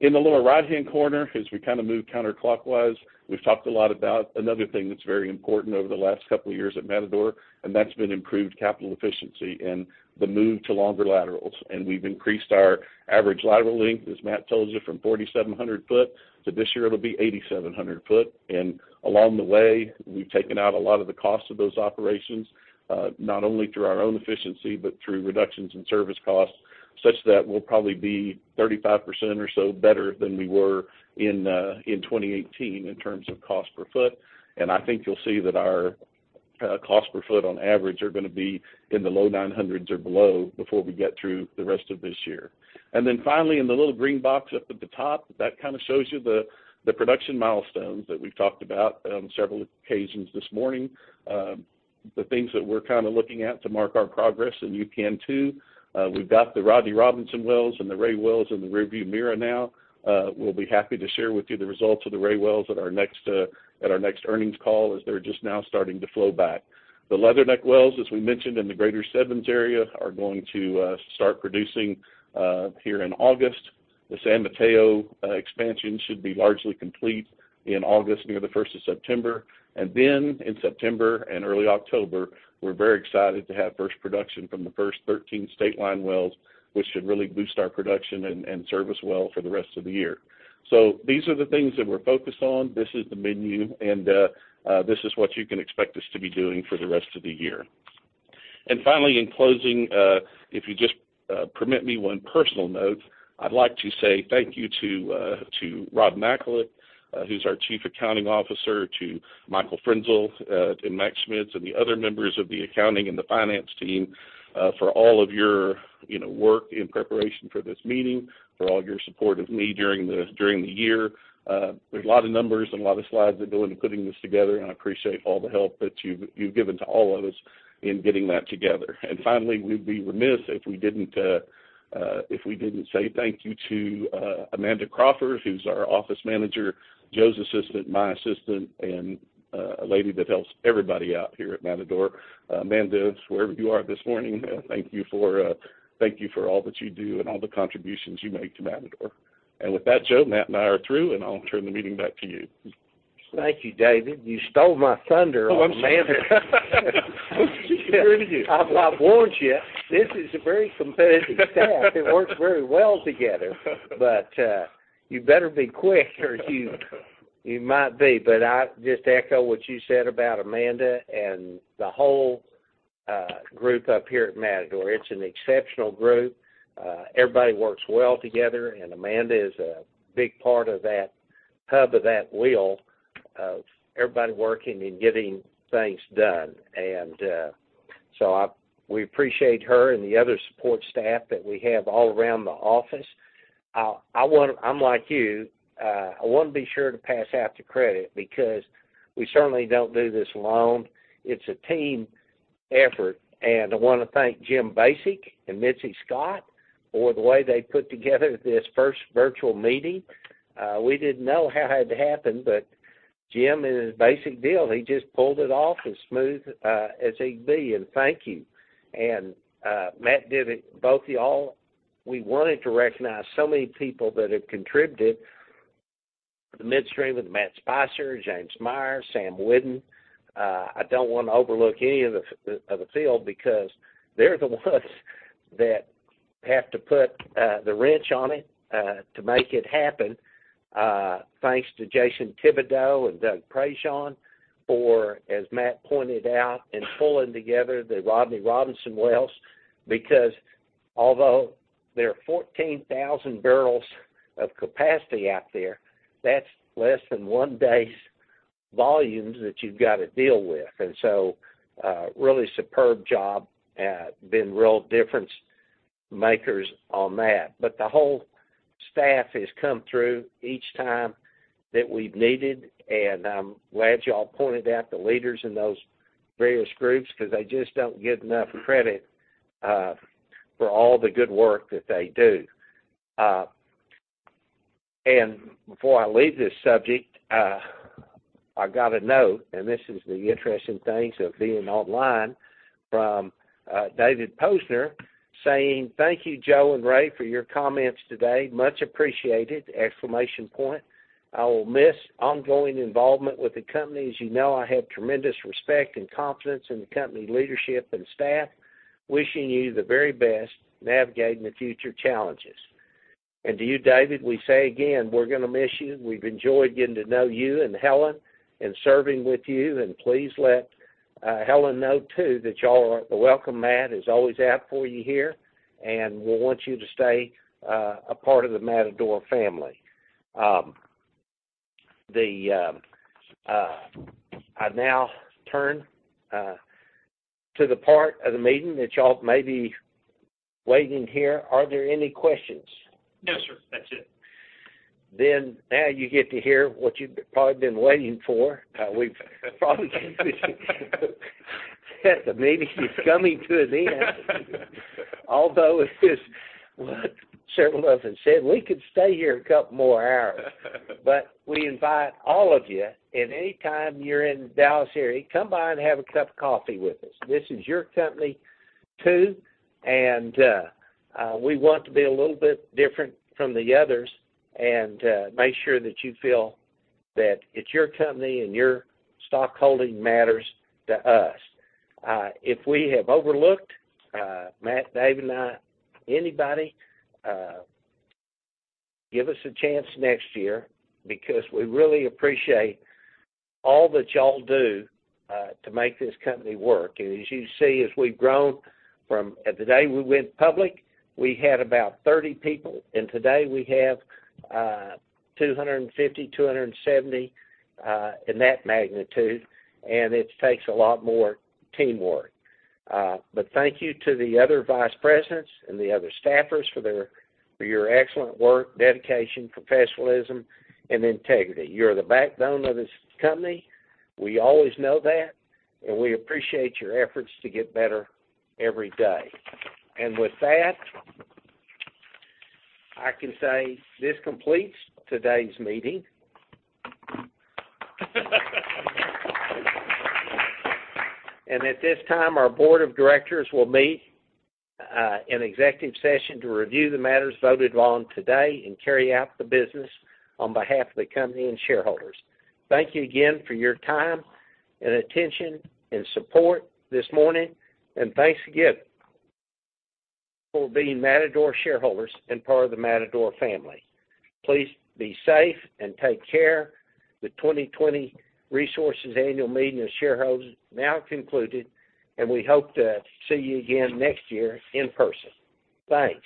In the lower right-hand corner, as we kind of move counterclockwise, we've talked a lot about another thing that's very important over the last couple of years at Matador, and that's been improved capital efficiency and the move to longer laterals. We've increased our average lateral length, as Matt told you, from 4,700 ft to this year it'll be 8,700 ft. Along the way, we've taken out a lot of the cost of those operations, not only through our own efficiency, but through reductions in service costs, such that we'll probably be 35% or so better than we were in 2018 in terms of cost per foot. I think you'll see that our cost per foot on average are going to be in the low 900s or below before we get through the rest of this year. Finally, in the little green box up at the top, that kind of shows you the production milestones that we've talked about on several occasions this morning. The things that we're kind of looking at to mark our progress, and you can too. We've got the Rodney Robinson wells and the Ray wells in the rearview mirror now. We'll be happy to share with you the results of the Ray wells at our next earnings call as they're just now starting to flow back. The Leatherneck wells, as we mentioned, in the Greater Stebbins Area, are going to start producing here in August. The San Mateo expansion should be largely complete in August, near the 1st of September. In September and early October, we're very excited to have first production from the first 13 Stateline wells, which should really boost our production and serve us well for the rest of the year. These are the things that we're focused on. This is the menu, and this is what you can expect us to be doing for the rest of the year. Finally, in closing, if you just permit me one personal note, I'd like to say thank you to Rob Macalik, who's our Chief Accounting Officer, to Michael Frenzel, and Mac Schmitz, and the other members of the accounting and the finance team for all of your work in preparation for this meeting, for all your support of me during the year. There's a lot of numbers and a lot of slides that go into putting this together. I appreciate all the help that you've given to all of us in getting that together. Finally, we'd be remiss if we didn't say thank you to Amanda Crawford, who's our Office Manager, Joe's assistant, my assistant, and a lady that helps everybody out here at Matador. Amanda, wherever you are this morning, thank you for all that you do and all the contributions you make to Matador. With that, Joe, Matt and I are through, and I'll turn the meeting back to you. Thank you, David. You stole my thunder on. Oh, I'm sorry. Amanda. She's dear to you. I warned you, this is a very competitive staff. It works very well together. You better be quick. I just echo what you said about Amanda and the whole group up here at Matador. It's an exceptional group. Everybody works well together, and Amanda is a big part of that hub, of that wheel of everybody working and getting things done. We appreciate her and the other support staff that we have all around the office. I'm like you, I want to be sure to pass out the credit because we certainly don't do this alone. It's a team effort, and I want to thank Jim Basich and Mitzi Scott for the way they put together this first virtual meeting. We didn't know how it'd happen, but Jim, in his Basich deal, he just pulled it off as smooth as he be, and thank you. Matt did it, both of y'all. We wanted to recognize so many people that have contributed for the midstream with Matt Spicer, James Myers, Sam Wooden. I don't want to overlook any of the field because they're the ones that have to put the wrench on it to make it happen. Thanks to Jason Thibodeaux and Doug Prejean for, as Matt pointed out, in pulling together the Rodney Robinson wells. Although there are 14,000 bbl of capacity out there, that's less than one day's volumes that you've got to deal with. Really superb job, been real difference makers on that. The whole staff has come through each time that we've needed, and I'm glad y'all pointed out the leaders in those various groups, because they just don't get enough credit for all the good work that they do. Before I leave this subject, I got a note, and this is the interesting things of being online, from David Posner saying, "Thank you, Joe and Ray, for your comments today. Much appreciated." "I will miss ongoing involvement with the company. As you know, I have tremendous respect and confidence in the company leadership and staff. Wishing you the very best navigating the future challenges." To you, David, we say again, we're going to miss you. We've enjoyed getting to know you and Helen and serving with you, and please let Helen know, too, that the welcome mat is always out for you here, and we want you to stay a part of the Matador family. I now turn to the part of the meeting that y'all may be waiting here. Are there any questions? No, sir. That's it. Now you get to hear what you've probably been waiting for. We've kept the meeting coming to an end. As several of us have said, we could stay here a couple more hours. We invite all of you, and any time you're in Dallas here, come by and have a cup of coffee with us. This is your company, too, and we want to be a little bit different from the others and make sure that you feel that it's your company and your stock holding matters to us. If we have overlooked, Matt, Dave, and I, anybody, give us a chance next year, because we really appreciate all that y'all do to make this company work. As you see, as we've grown from the day we went public, we had about 30 people, and today we have 250, 270, in that magnitude, and it takes a lot more teamwork. Thank you to the other vice presidents and the other staffers for your excellent work, dedication, professionalism, and integrity. You're the backbone of this company. We always know that, and we appreciate your efforts to get better every day. With that, I can say this completes today's meeting. At this time, our board of directors will meet in executive session to review the matters voted on today and carry out the business on behalf of the company and shareholders. Thank you again for your time, and attention, and support this morning, and thanks again for being Matador shareholders and part of the Matador family. Please be safe and take care. The 2020 Resources Annual Meeting of Shareholders is now concluded, and we hope to see you again next year in person. Thanks.